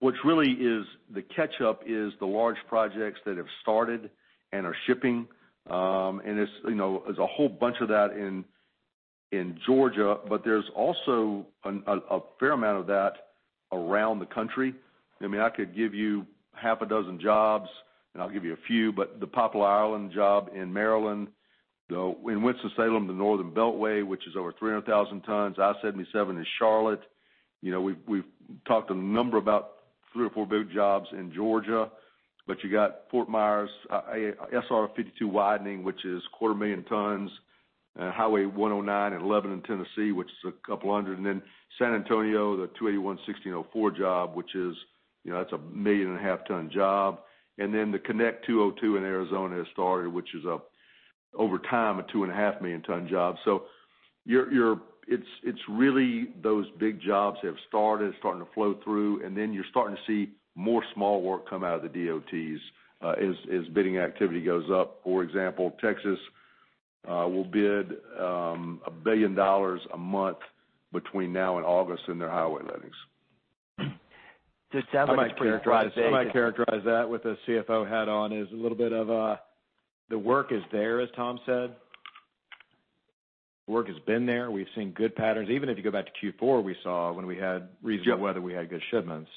what really is the catch up is the large projects that have started and are shipping. There's a whole bunch of that in Georgia, but there's also a fair amount of that around the country. I could give you half a dozen jobs, I'll give you a few, but the Poplar Island job in Maryland, in Winston-Salem, the Northern Beltway, which is over 300,000 tons, I-77 in Charlotte. We've talked a number about three or four big jobs in Georgia, but you got Fort Myers SR 52 widening, which is quarter million tons, Highway 109 and 11 in Tennessee, which is a couple of hundred. San Antonio, the 281/1604 job, which is a million and a half ton job. The Connect 202 in Arizona has started, which is over time, a two and a half million ton job. It's really those big jobs have started, starting to flow through, and then you're starting to see more small work come out of the DOTs as bidding activity goes up. For example, Texas will bid $1 billion a month between now and August in their highway lettings. Just sounds like it's pretty broad-based. How I characterize that with a CFO hat on is a little bit of a, the work is there, as Tom said. Work has been there. We've seen good patterns. Even if you go back to Q4, we saw when we had reasonable weather, we had good shipments.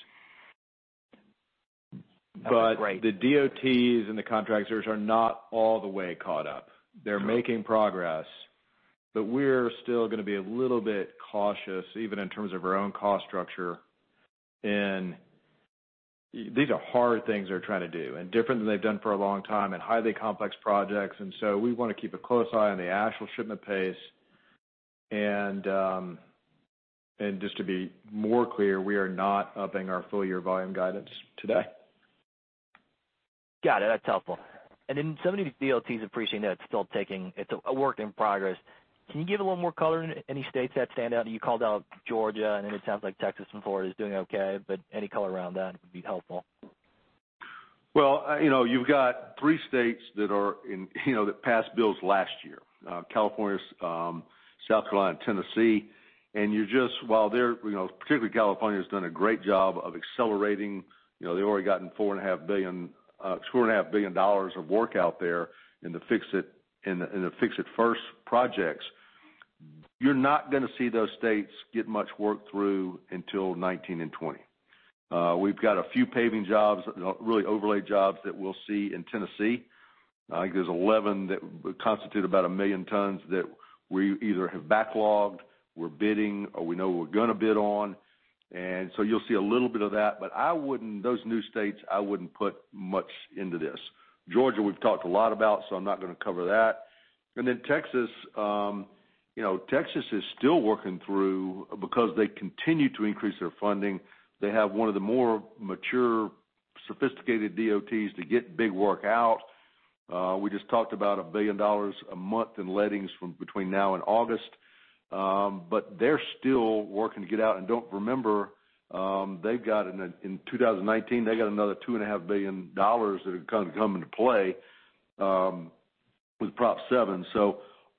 That's great. The DOTs and the contractors are not all the way caught up. They're making progress, but we're still going to be a little bit cautious, even in terms of our own cost structure. These are hard things they're trying to do, and different than they've done for a long time, and highly complex projects. We want to keep a close eye on the actual shipment pace. Just to be more clear, we are not upping our full year volume guidance today. Got it. That's helpful. Some of these DOTs appreciating that it's still a work in progress. Can you give a little more color? Any states that stand out? You called out Georgia, then it sounds like Texas and Florida is doing okay, but any color around that would be helpful. Well, you've got three states that passed bills last year. California, South Carolina, and Tennessee. Particularly California, has done a great job of accelerating. They've already gotten $4.5 billion of work out there in the Fix It First projects. You're not going to see those states get much work through until 2019 and 2020. We've got a few paving jobs, really overlay jobs that we'll see in Tennessee. I think there's 11 that constitute about 1 million tons that we either have backlogged, we're bidding, or we know we're going to bid on. You'll see a little bit of that. Those new states, I wouldn't put much into this. Georgia, we've talked a lot about, so I'm not going to cover that. Texas. Texas is still working through because they continue to increase their funding. They have one of the more mature, sophisticated DOTs to get big work out. We just talked about $1 billion a month in lettings between now and August. They're still working to get out. Don't remember, in 2019, they got another $2.5 billion that are going to come into play with Proposition 7.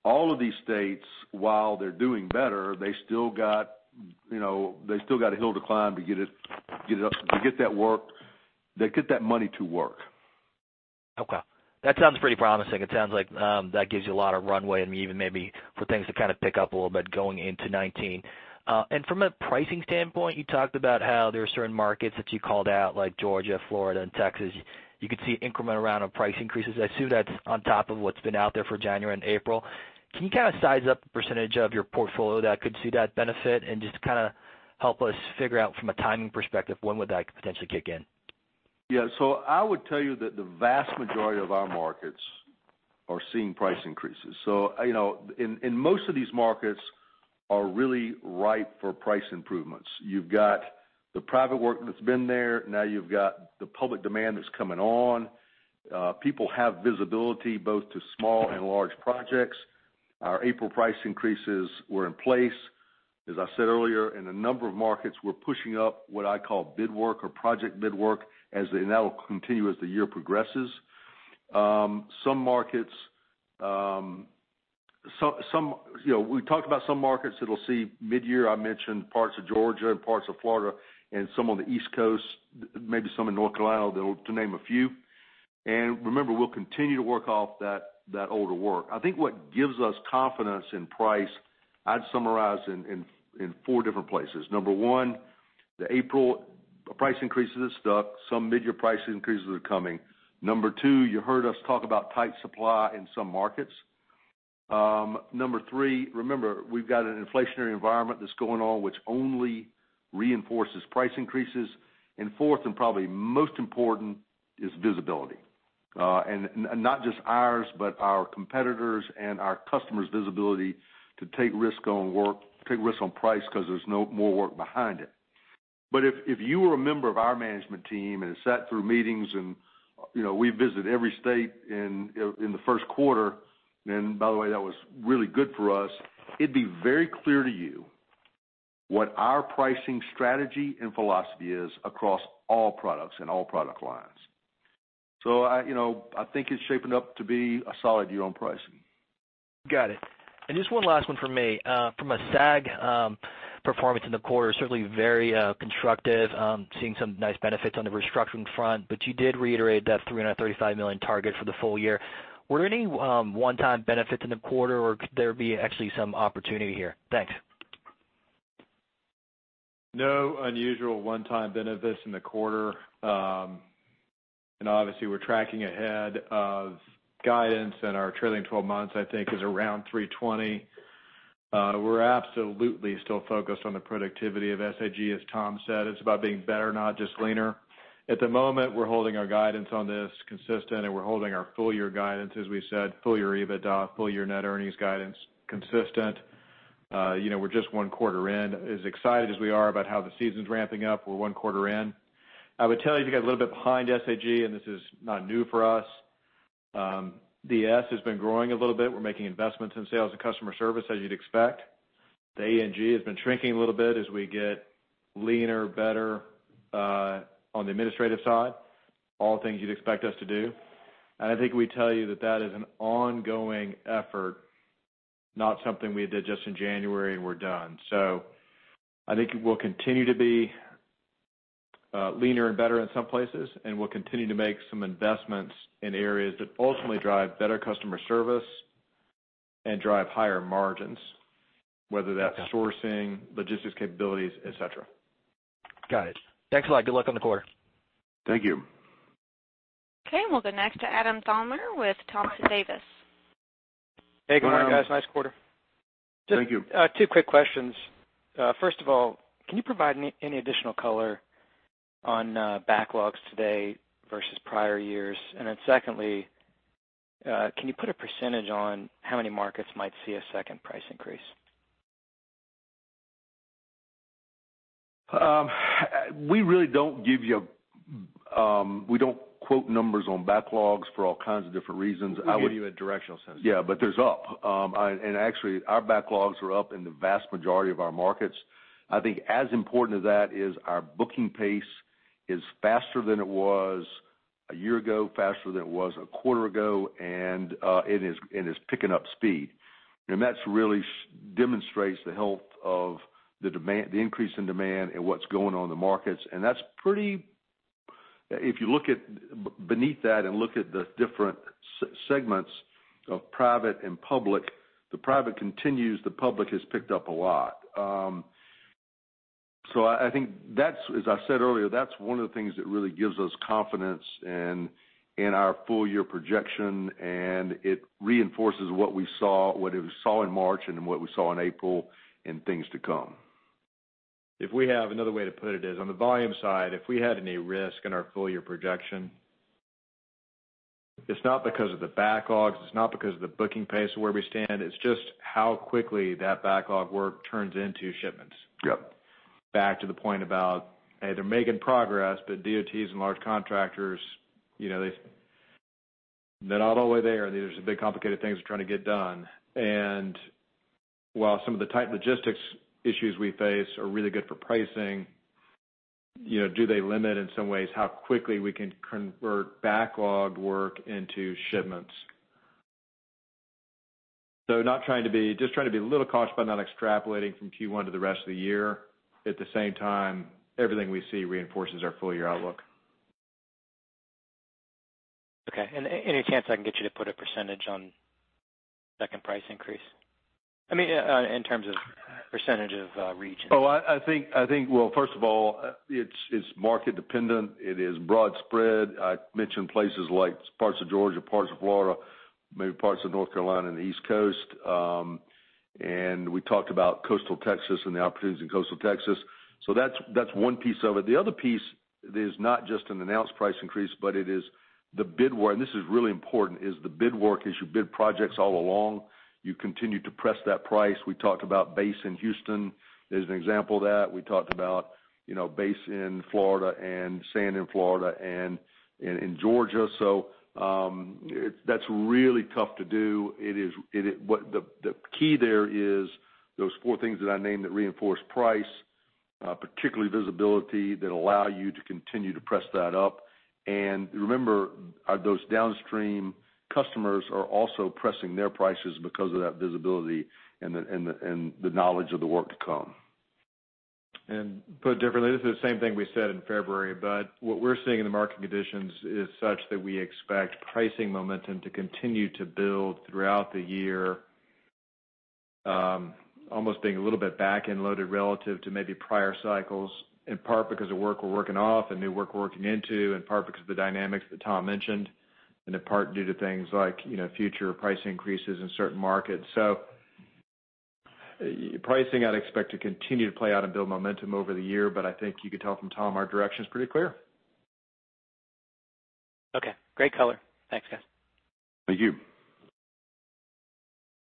All of these states, while they're doing better, they still got a hill to climb to get that money to work. Okay. That sounds pretty promising. It sounds like that gives you a lot of runway, even maybe for things to kind of pick up a little bit going into 2019. From a pricing standpoint, you talked about how there are certain markets that you called out, like Georgia, Florida, and Texas. You could see incremental round of price increases. I assume that's on top of what's been out there for January and April. Can you kind of size up the % of your portfolio that could see that benefit and just kind of help us figure out from a timing perspective, when would that potentially kick in? Yeah. I would tell you that the vast majority of our markets are seeing price increases. Most of these markets are really ripe for price improvements. You've got the private work that's been there. Now you've got the public demand that's coming on. People have visibility both to small and large projects. Our April price increases were in place. As I said earlier, in a number of markets, we're pushing up what I call bid work or project bid work, and that'll continue as the year progresses. We talked about some markets that'll see midyear. I mentioned parts of Georgia and parts of Florida and some on the East Coast, maybe some in North Carolina, to name a few. Remember, we'll continue to work off that older work. I think what gives us confidence in price, I'd summarize in four different places. Number one, the April price increases have stuck. Some midyear price increases are coming. Number two, you heard us talk about tight supply in some markets. Number three, remember, we've got an inflationary environment that's going on, which only reinforces price increases. Fourth, and probably most important, is visibility. Not just ours, but our competitors and our customers' visibility to take risk on price because there's more work behind it. If you were a member of our management team and sat through meetings and we visit every state in the first quarter, and by the way, that was really good for us, it'd be very clear to you what our pricing strategy and philosophy is across all products and all product lines. I think it's shaping up to be a solid year on pricing. Got it. Just one last one from me. From a SAG Performance in the quarter is certainly very constructive. Seeing some nice benefits on the restructuring front, but you did reiterate that $335 million target for the full year. Were there any one-time benefits in the quarter, or could there be actually some opportunity here? Thanks. No unusual one-time benefits in the quarter. Obviously we're tracking ahead of guidance, and our trailing 12 months, I think is around $320 million. We're absolutely still focused on the productivity of SAG, as Tom said, it's about being better, not just leaner. At the moment, we're holding our guidance on this consistent, and we're holding our full-year guidance, as we said, full-year EBITDA, full-year net earnings guidance consistent. We're just one quarter in. As excited as we are about how the season's ramping up, we're one quarter in. I would tell you, if you got a little bit behind SAG, and this is not new for us, DS has been growing a little bit. We're making investments in sales and customer service, as you'd expect. The A&G has been shrinking a little bit as we get leaner, better on the administrative side, all things you'd expect us to do. I think we tell you that that is an ongoing effort, not something we did just in January and we're done. I think it will continue to be leaner and better in some places, and we'll continue to make some investments in areas that ultimately drive better customer service and drive higher margins, whether that's sourcing, logistics capabilities, et cetera. Got it. Thanks a lot. Good luck on the quarter. Thank you. We'll go next to Adam Thalhimer with Thompson Davis. Hey, good morning, guys. Nice quarter. Thank you. Just two quick questions. First of all, can you provide any additional color on backlogs today versus prior years? Secondly, can you put a percentage on how many markets might see a second price increase? We don't quote numbers on backlogs for all kinds of different reasons. We give you a directional sense. There's up. Actually, our backlogs are up in the vast majority of our markets. I think as important as that is our booking pace is faster than it was a year ago, faster than it was a quarter ago, and it is picking up speed. That really demonstrates the health of the increase in demand and what's going on in the markets. If you look at beneath that and look at the different segments of private and public, the private continues, the public has picked up a lot. I think as I said earlier, that's one of the things that really gives us confidence in our full-year projection, and it reinforces what we saw in March and in what we saw in April and things to come. If we have another way to put it is, on the volume side, if we had any risk in our full-year projection, it's not because of the backlogs, it's not because of the booking pace of where we stand, it's just how quickly that backlog work turns into shipments. Yep. Back to the point about they're making progress, DOTs and large contractors, they're not all the way there. These are big, complicated things they're trying to get done. While some of the tight logistics issues we face are really good for pricing, do they limit in some ways how quickly we can convert backlog work into shipments? Just trying to be a little cautious by not extrapolating from Q1 to the rest of the year. At the same time, everything we see reinforces our full-year outlook. Okay. Any chance I can get you to put a % on second price increase? I mean, in terms of % of regions. Well, first of all, it's market dependent. It is broad spread. I mentioned places like parts of Georgia, parts of Florida, maybe parts of North Carolina and the East Coast. We talked about coastal Texas and the opportunities in coastal Texas. That's one piece of it. The other piece is not just an announced price increase, but it is the bid work, and this is really important, as you bid projects all along, you continue to press that price. We talked about base in Houston as an example of that. We talked about base in Florida and sand in Florida and in Georgia. That's really tough to do. The key there is those four things that I named that reinforce price, particularly visibility, that allow you to continue to press that up. Remember, those downstream customers are also pressing their prices because of that visibility and the knowledge of the work to come. Put differently, this is the same thing we said in February, but what we're seeing in the market conditions is such that we expect pricing momentum to continue to build throughout the year, almost being a little bit back-end loaded relative to maybe prior cycles, in part because of work we're working off and new work we're working into, in part because of the dynamics that Tom mentioned, and in part due to things like future price increases in certain markets. Pricing, I'd expect to continue to play out and build momentum over the year, but I think you could tell from Tom, our direction is pretty clear. Okay. Great color. Thanks, guys. Thank you.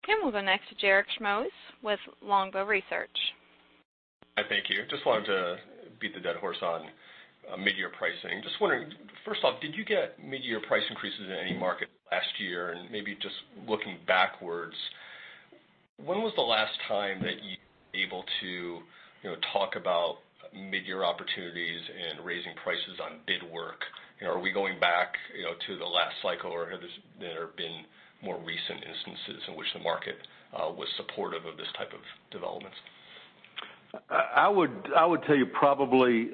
Okay, we'll go next to Garik Shmois with Longbow Research. Hi, thank you. Just wanted to beat the dead horse on mid-year pricing. Just wondering, first off, did you get mid-year price increases in any market last year? Maybe just looking backwards, when was the last time that you were able to talk about mid-year opportunities and raising prices on bid work. Are we going back to the last cycle, or have there been more recent instances in which the market was supportive of this type of development? I would tell you probably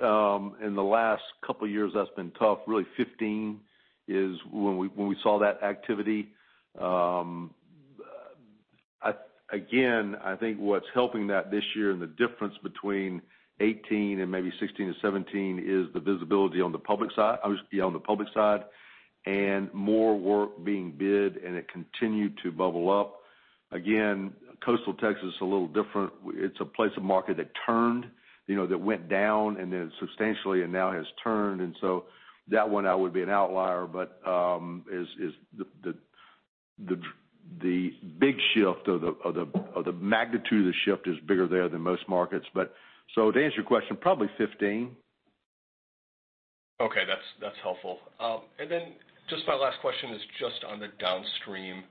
in the last couple of years, that's been tough. Really, 2015 is when we saw that activity. Again, I think what's helping that this year and the difference between 2018 and maybe 2016 and 2017 is the visibility on the public side, and more work being bid, and it continued to bubble up. Again, coastal Texas is a little different. It's a place, a market that turned, that went down and then substantially and now has turned. That one would be an outlier. The big shift or the magnitude of the shift is bigger there than most markets. To answer your question, probably 2015. Okay. That's helpful. My last question is just on the downstream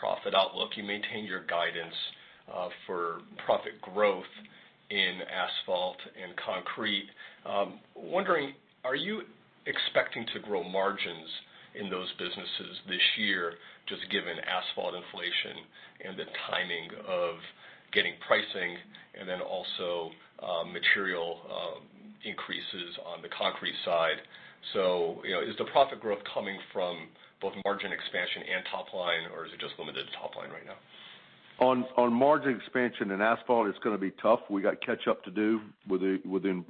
profit outlook. You maintain your guidance for profit growth in asphalt and concrete. I'm wondering, are you expecting to grow margins in those businesses this year, just given asphalt inflation and the timing of getting pricing, and then also material increases on the concrete side? Is the profit growth coming from both margin expansion and top line, or is it just limited to top line right now? On margin expansion and asphalt, it's going to be tough. We got catch up to do with the,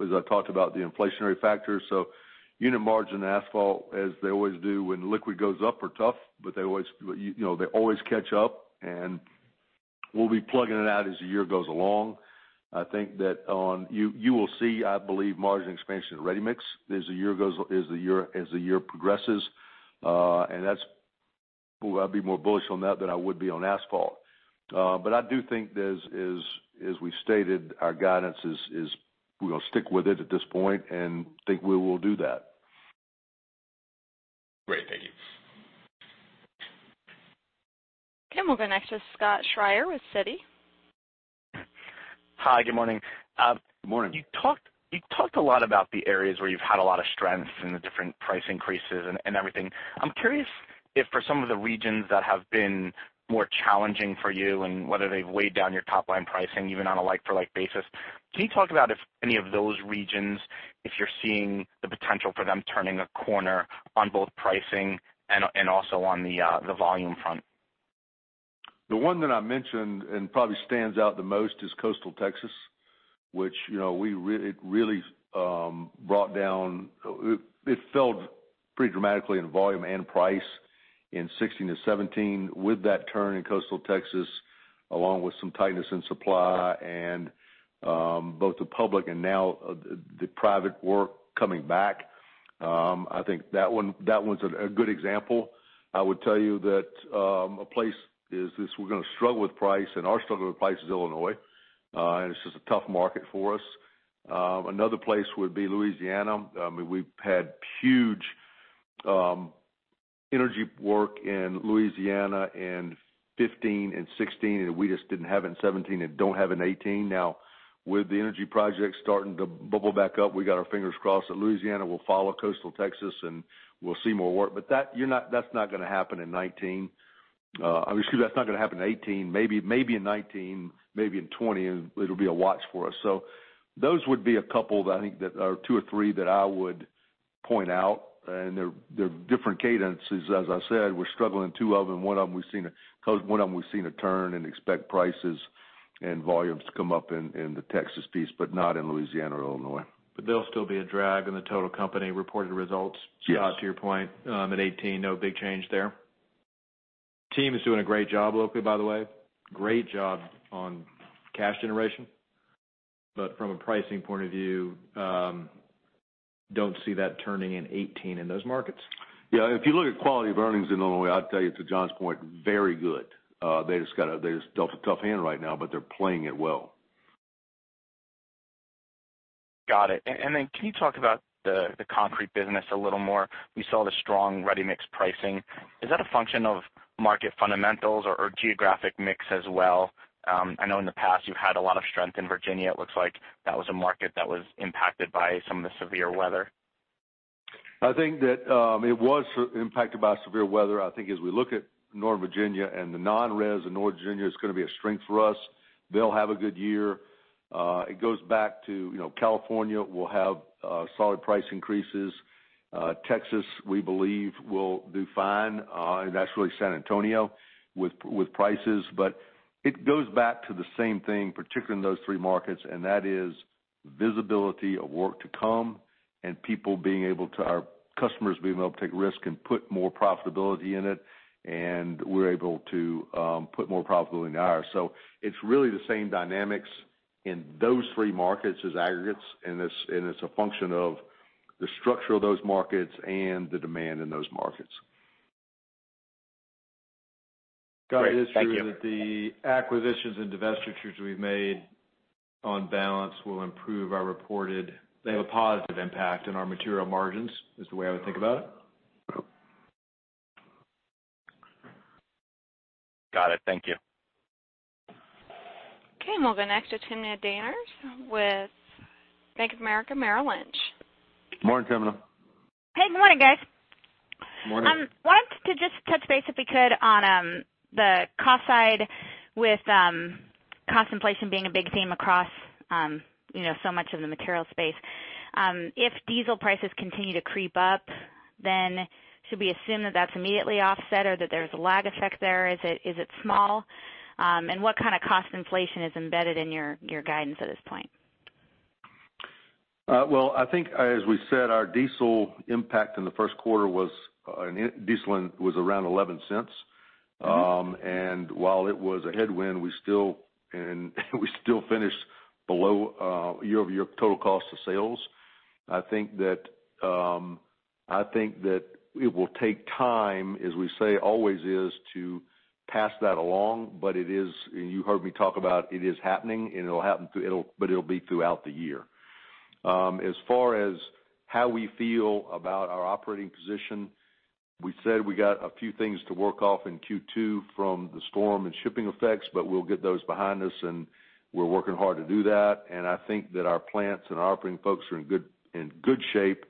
as I talked about, the inflationary factors. Unit margin asphalt, as they always do when liquid goes up, are tough, but they always catch up, and we'll be plugging it out as the year goes along. I think that you will see, I believe, margin expansion in ready-mix as the year progresses. I'd be more bullish on that than I would be on asphalt. I do think as we stated, our guidance is we're going to stick with it at this point and think we will do that. Great. Thank you. Okay, moving next to Scott Schrier with Citi. Hi, good morning. Good morning. You talked a lot about the areas where you've had a lot of strength and the different price increases and everything. I'm curious if for some of the regions that have been more challenging for you and whether they've weighed down your top-line pricing even on a like-for-like basis. Can you talk about if any of those regions, if you're seeing the potential for them turning a corner on both pricing and also on the volume front? The one that I mentioned and probably stands out the most is coastal Texas, which it really brought down. It fell pretty dramatically in volume and price in 2016 to 2017 with that turn in coastal Texas, along with some tightness in supply and both the public and now the private work coming back. I think that one's a good example. I would tell you that a place is we're going to struggle with price, and our struggle with price is Illinois. It's just a tough market for us. Another place would be Louisiana. We've had huge energy work in Louisiana in 2015 and 2016, and we just didn't have in 2017 and don't have in 2018. Now with the energy projects starting to bubble back up, we got our fingers crossed that Louisiana will follow coastal Texas, and we'll see more work. That's not going to happen in 2019. Excuse me, that's not going to happen in 2018. Maybe in 2019, maybe in 2020, and it'll be a watch for us. Those would be a couple that I think that are two or three that I would point out, and they're different cadences. As I said, we're struggling two of them. One of them we've seen a turn and expect prices and volumes to come up in the Texas piece, but not in Louisiana or Illinois. They'll still be a drag in the total company reported results. Yes To your point, in 2018, no big change there. Team is doing a great job locally, by the way. Great job on cash generation. From a pricing point of view, don't see that turning in 2018 in those markets. Yeah, if you look at quality of earnings in Illinois, I'd tell you to John's point, very good. They just dealt a tough hand right now, but they're playing it well. Got it. Can you talk about the concrete business a little more? We saw the strong ready-mix pricing. Is that a function of market fundamentals or geographic mix as well? I know in the past you've had a lot of strength in Virginia. It looks like that was a market that was impacted by some of the severe weather. I think that it was impacted by severe weather. I think as we look at Northern Virginia and the non-res in Northern Virginia is going to be a strength for us. They'll have a good year. It goes back to California will have solid price increases. Texas, we believe, will do fine. That's really San Antonio with prices. It goes back to the same thing, particularly in those three markets, and that is visibility of work to come and our customers being able to take risk and put more profitability in it, and we're able to put more profitability in ours. It's really the same dynamics in those three markets as aggregates, and it's a function of the structure of those markets and the demand in those markets. Great. Thank you. It is true that the acquisitions and divestitures we've made on balance will improve our. They have a positive impact in our material margins, is the way I would think about it. Thank you. Okay, we'll go next to Timna Tanners with Bank of America Merrill Lynch. Morning, Timna. Hey, good morning, guys. Morning. Wanted to just touch base, if we could, on the cost side with cost inflation being a big theme across so much of the material space. If diesel prices continue to creep up, should we assume that that's immediately offset or that there's a lag effect there? Is it small? What kind of cost inflation is embedded in your guidance at this point? Well, I think, as we said, our diesel impact in the first quarter diesel was around $0.11. While it was a headwind, we still finished below year-over-year total cost of sales. I think that it will take time, as we say always is, to pass that along. You heard me talk about it is happening, but it'll be throughout the year. As far as how we feel about our operating position, we said we got a few things to work off in Q2 from the storm and shipping effects, we'll get those behind us, and we're working hard to do that. I think that our plants and our operating folks are in good shape.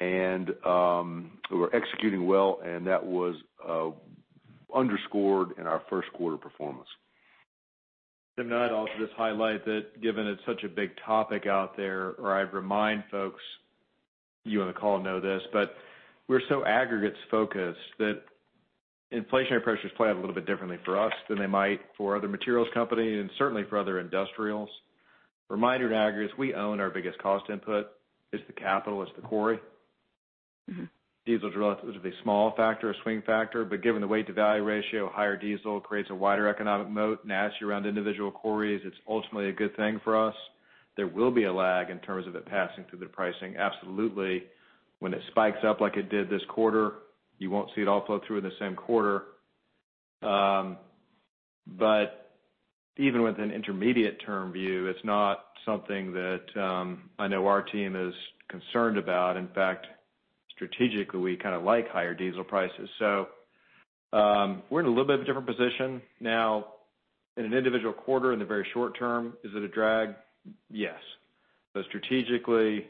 We're executing well, and that was underscored in our first quarter performance. Timna, I'd also just highlight that given it's such a big topic out there, I'd remind folks, you on the call know this, we're so aggregates focused that inflationary pressures play out a little bit differently for us than they might for other materials company and certainly for other industrials. Reminder, in aggregates, we own our biggest cost input. It's the capital, it's the quarry. Diesel's a relatively small factor, a swing factor, given the weight to value ratio, higher diesel creates a wider economic moat, an asset around individual quarries. It's ultimately a good thing for us. There will be a lag in terms of it passing through the pricing, absolutely. When it spikes up like it did this quarter, you won't see it all flow through in the same quarter. Even with an intermediate term view, it's not something that I know our team is concerned about. In fact, strategically, we kind of like higher diesel prices. We're in a little bit of a different position now. In an individual quarter, in the very short term, is it a drag? Yes. Strategically,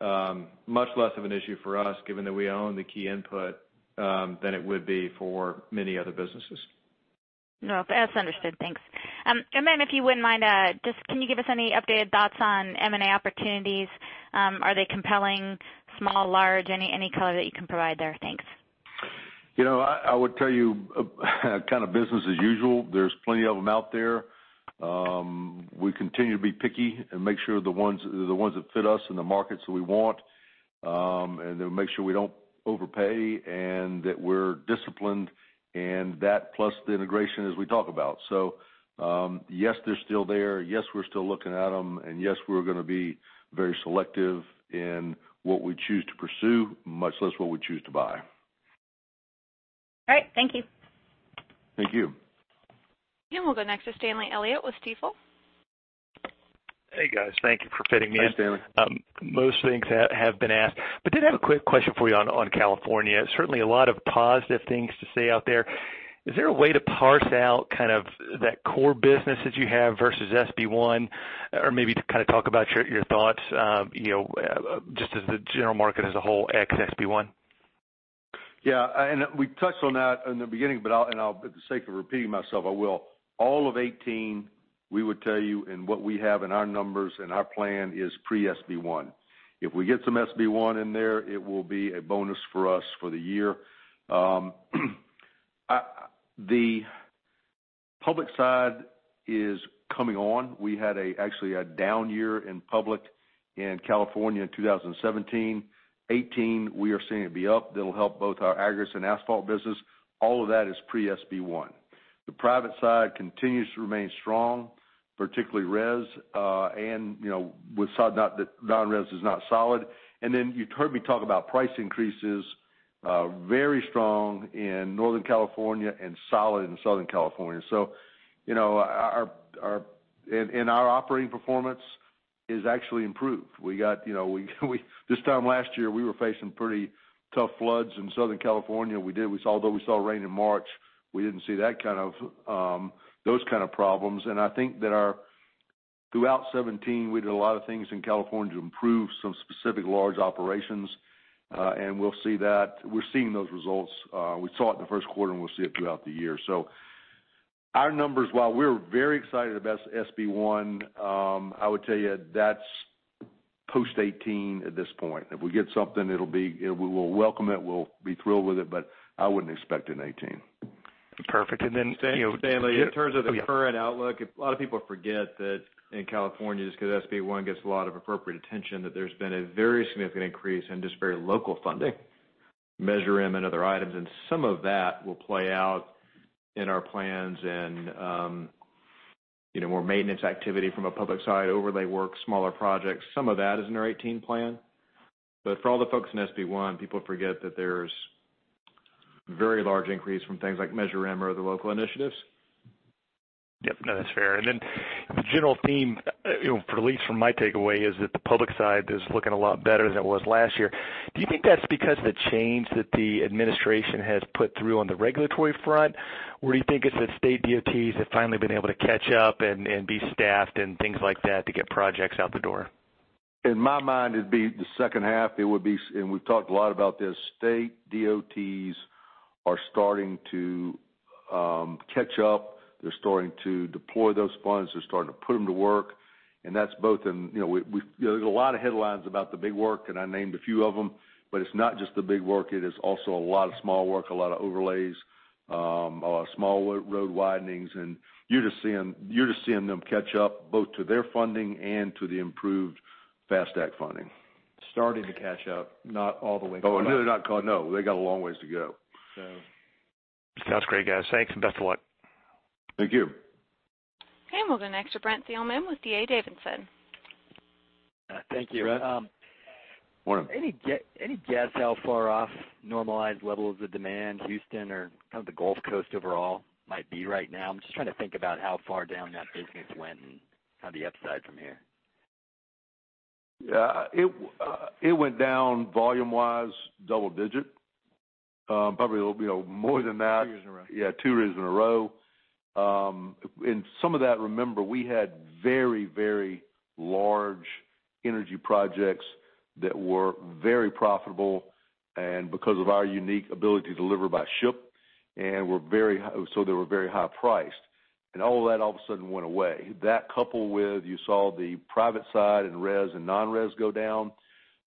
much less of an issue for us, given that we own the key input, than it would be for many other businesses. No, that's understood. Thanks. If you wouldn't mind, just can you give us any updated thoughts on M&A opportunities? Are they compelling, small, large, any color that you can provide there? Thanks. I would tell you kind of business as usual. There's plenty of them out there. We continue to be picky and make sure they're the ones that fit us in the markets that we want, make sure we don't overpay and that we're disciplined, and that plus the integration as we talk about. Yes, they're still there. Yes, we're still looking at them. Yes, we're going to be very selective in what we choose to pursue, much less what we choose to buy. All right. Thank you. Thank you. we'll go next to Stanley Elliott with Stifel. Hey, guys. Thank you for fitting me in. Hey, Stanley. Most things have been asked, but did have a quick question for you on California. Certainly, a lot of positive things to say out there. Is there a way to parse out kind of that core business that you have versus SB 1 or maybe to kind of talk about your thoughts, just as the general market as a whole, ex SB 1? Yeah. We touched on that in the beginning, and for the sake of repeating myself, I will. All of 2018, we would tell you, and what we have in our numbers and our plan is pre SB 1. If we get some SB 1 in there, it will be a bonus for us for the year. The public side is coming on. We had actually a down year in public in California in 2017. 2018, we are seeing it be up. That'll help both our aggregates and asphalt business. All of that is pre SB 1. The private side continues to remain strong, particularly res, and with that, non-res is not solid. You've heard me talk about price increases, very strong in Northern California and solid in Southern California. Our operating performance is actually improved. This time last year, we were facing pretty tough floods in Southern California. Although we saw rain in March, we didn't see those kind of problems. I think that throughout 2017, we did a lot of things in California to improve some specific large operations. We're seeing those results. We saw it in the first quarter, and we'll see it throughout the year. Our numbers, while we're very excited about SB1, I would tell you that's post 2018 at this point. If we get something, we will welcome it. We'll be thrilled with it, but I wouldn't expect it in 2018. Perfect. Stanley, in terms of the current outlook, a lot of people forget that in California, just because SB1 gets a lot of appropriate attention, that there's been a very significant increase in just very local funding, Measure M and other items. Some of that will play out in our plans and more maintenance activity from a public side, overlay work, smaller projects. Some of that is in our 2018 plan. For all the folks in SB1, people forget that there's very large increase from things like Measure M or other local initiatives. Yep. No, that's fair. The general theme, at least from my takeaway, is that the public side is looking a lot better than it was last year. Do you think that's because of the change that the administration has put through on the regulatory front? Or do you think it's that state DOTs have finally been able to catch up and be staffed and things like that to get projects out the door? In my mind, it'd be the second half. It would be, and we've talked a lot about this, state DOTs are starting to catch up. They're starting to deploy those funds. They're starting to put them to work. There's a lot of headlines about the big work, and I named a few of them, but it's not just the big work. It is also a lot of small work, a lot of overlays, a lot of small road widenings. You're just seeing them catch up both to their funding and to the improved FAST Act funding. Starting to catch up, not all the way. Oh, no, they got a long ways to go. So Sounds great, guys. Thanks, and best of luck. Thank you. We'll go next to Brent Thielman with D.A. Davidson. Thank you. Brent. Morning. Any guess how far off normalized levels of demand Houston or kind of the Gulf Coast overall might be right now? I'm just trying to think about how far down that business went and kind of the upside from here. It went down volume wise, double digit. Probably more than that. Two years in a row. 2 years in a row. Some of that, remember, we had very large energy projects that were very profitable and because of our unique ability to deliver by ship, so they were very high priced, and all of that all of a sudden went away. That coupled with you saw the private side and res and non-res go down.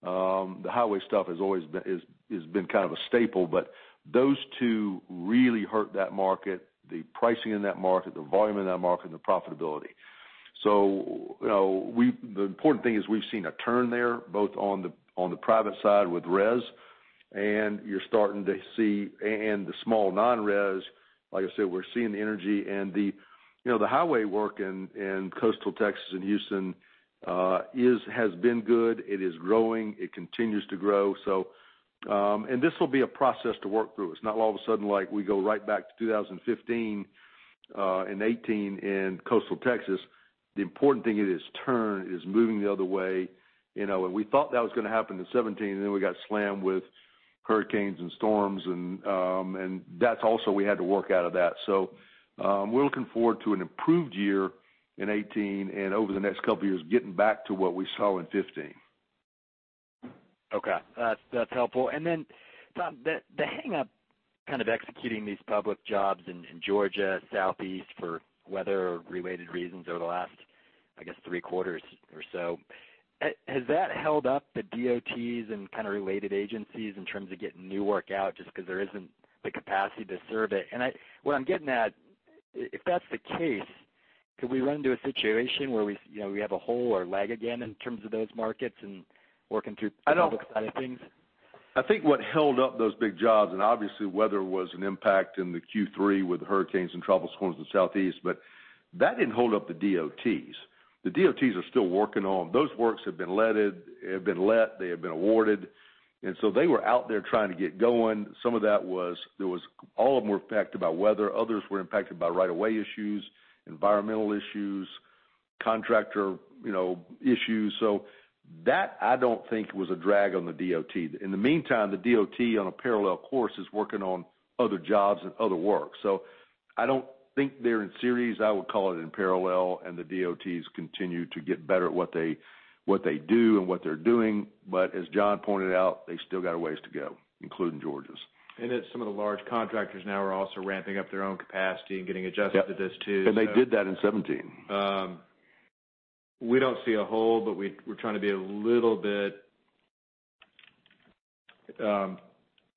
The highway stuff has been kind of a staple, but those 2 really hurt that market, the pricing in that market, the volume in that market, and the profitability. The important thing is we've seen a turn there, both on the private side with res and the small non-res. Like I said, we're seeing the energy and the highway work in coastal Texas and Houston has been good. It is growing. It continues to grow. This will be a process to work through. It's not all of a sudden like we go right back to 2015 and 2018 in coastal Texas. The important thing, it has turned, it is moving the other way. We thought that was going to happen in 2017, and then we got slammed with hurricanes and storms, and that also we had to work out of that. We're looking forward to an improved year in 2018, and over the next 2 years, getting back to what we saw in 2015. Okay. That's helpful. Tom, the hangup kind of executing these public jobs in Georgia, Southeast for weather-related reasons over the last, I guess, 3 quarters or so. Has that held up the DOTs and kind of related agencies in terms of getting new work out just because there isn't the capacity to serve it? What I'm getting at, if that's the case, could we run into a situation where we have a hole or lag again in terms of those markets and working through. I don't. public side of things? I think what held up those big jobs, and obviously weather was an impact in the Q3 with hurricanes and tropical storms in the Southeast, but that didn't hold up the DOTs. The DOTs are still working on Those works have been let. They have been awarded. They were out there trying to get going. All of them were impacted by weather. Others were impacted by right of way issues, environmental issues, contractor issues. That I don't think was a drag on the DOT. In the meantime, the DOT on a parallel course is working on other jobs and other work. I don't think they're in series. I would call it in parallel. The DOTs continue to get better at what they do and what they're doing. As John pointed out, they still got a ways to go, including Georgia's. Some of the large contractors now are also ramping up their own capacity and getting adjusted- Yep to this too. They did that in 2017. We don't see a hole, we're trying to be a little bit, I'm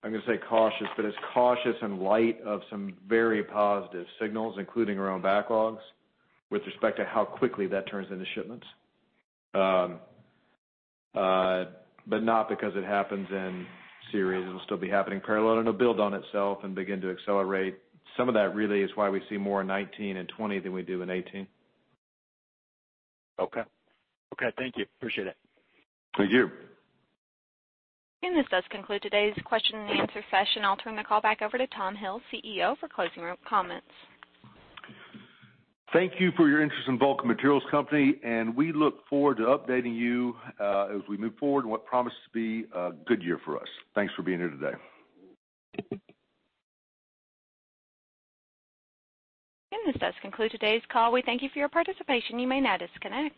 going to say cautious, but as cautious in light of some very positive signals, including around backlogs, with respect to how quickly that turns into shipments. Not because it happens in series. It'll still be happening parallel, and it'll build on itself and begin to accelerate. Some of that really is why we see more in 2019 and 2020 than we do in 2018. Okay. Thank you. Appreciate it. Thank you. This does conclude today's question and answer session. I'll turn the call back over to Tom Hill, CEO, for closing comments. Thank you for your interest in Vulcan Materials Company, and we look forward to updating you, as we move forward in what promises to be a good year for us. Thanks for being here today. This does conclude today's call. We thank you for your participation. You may now disconnect.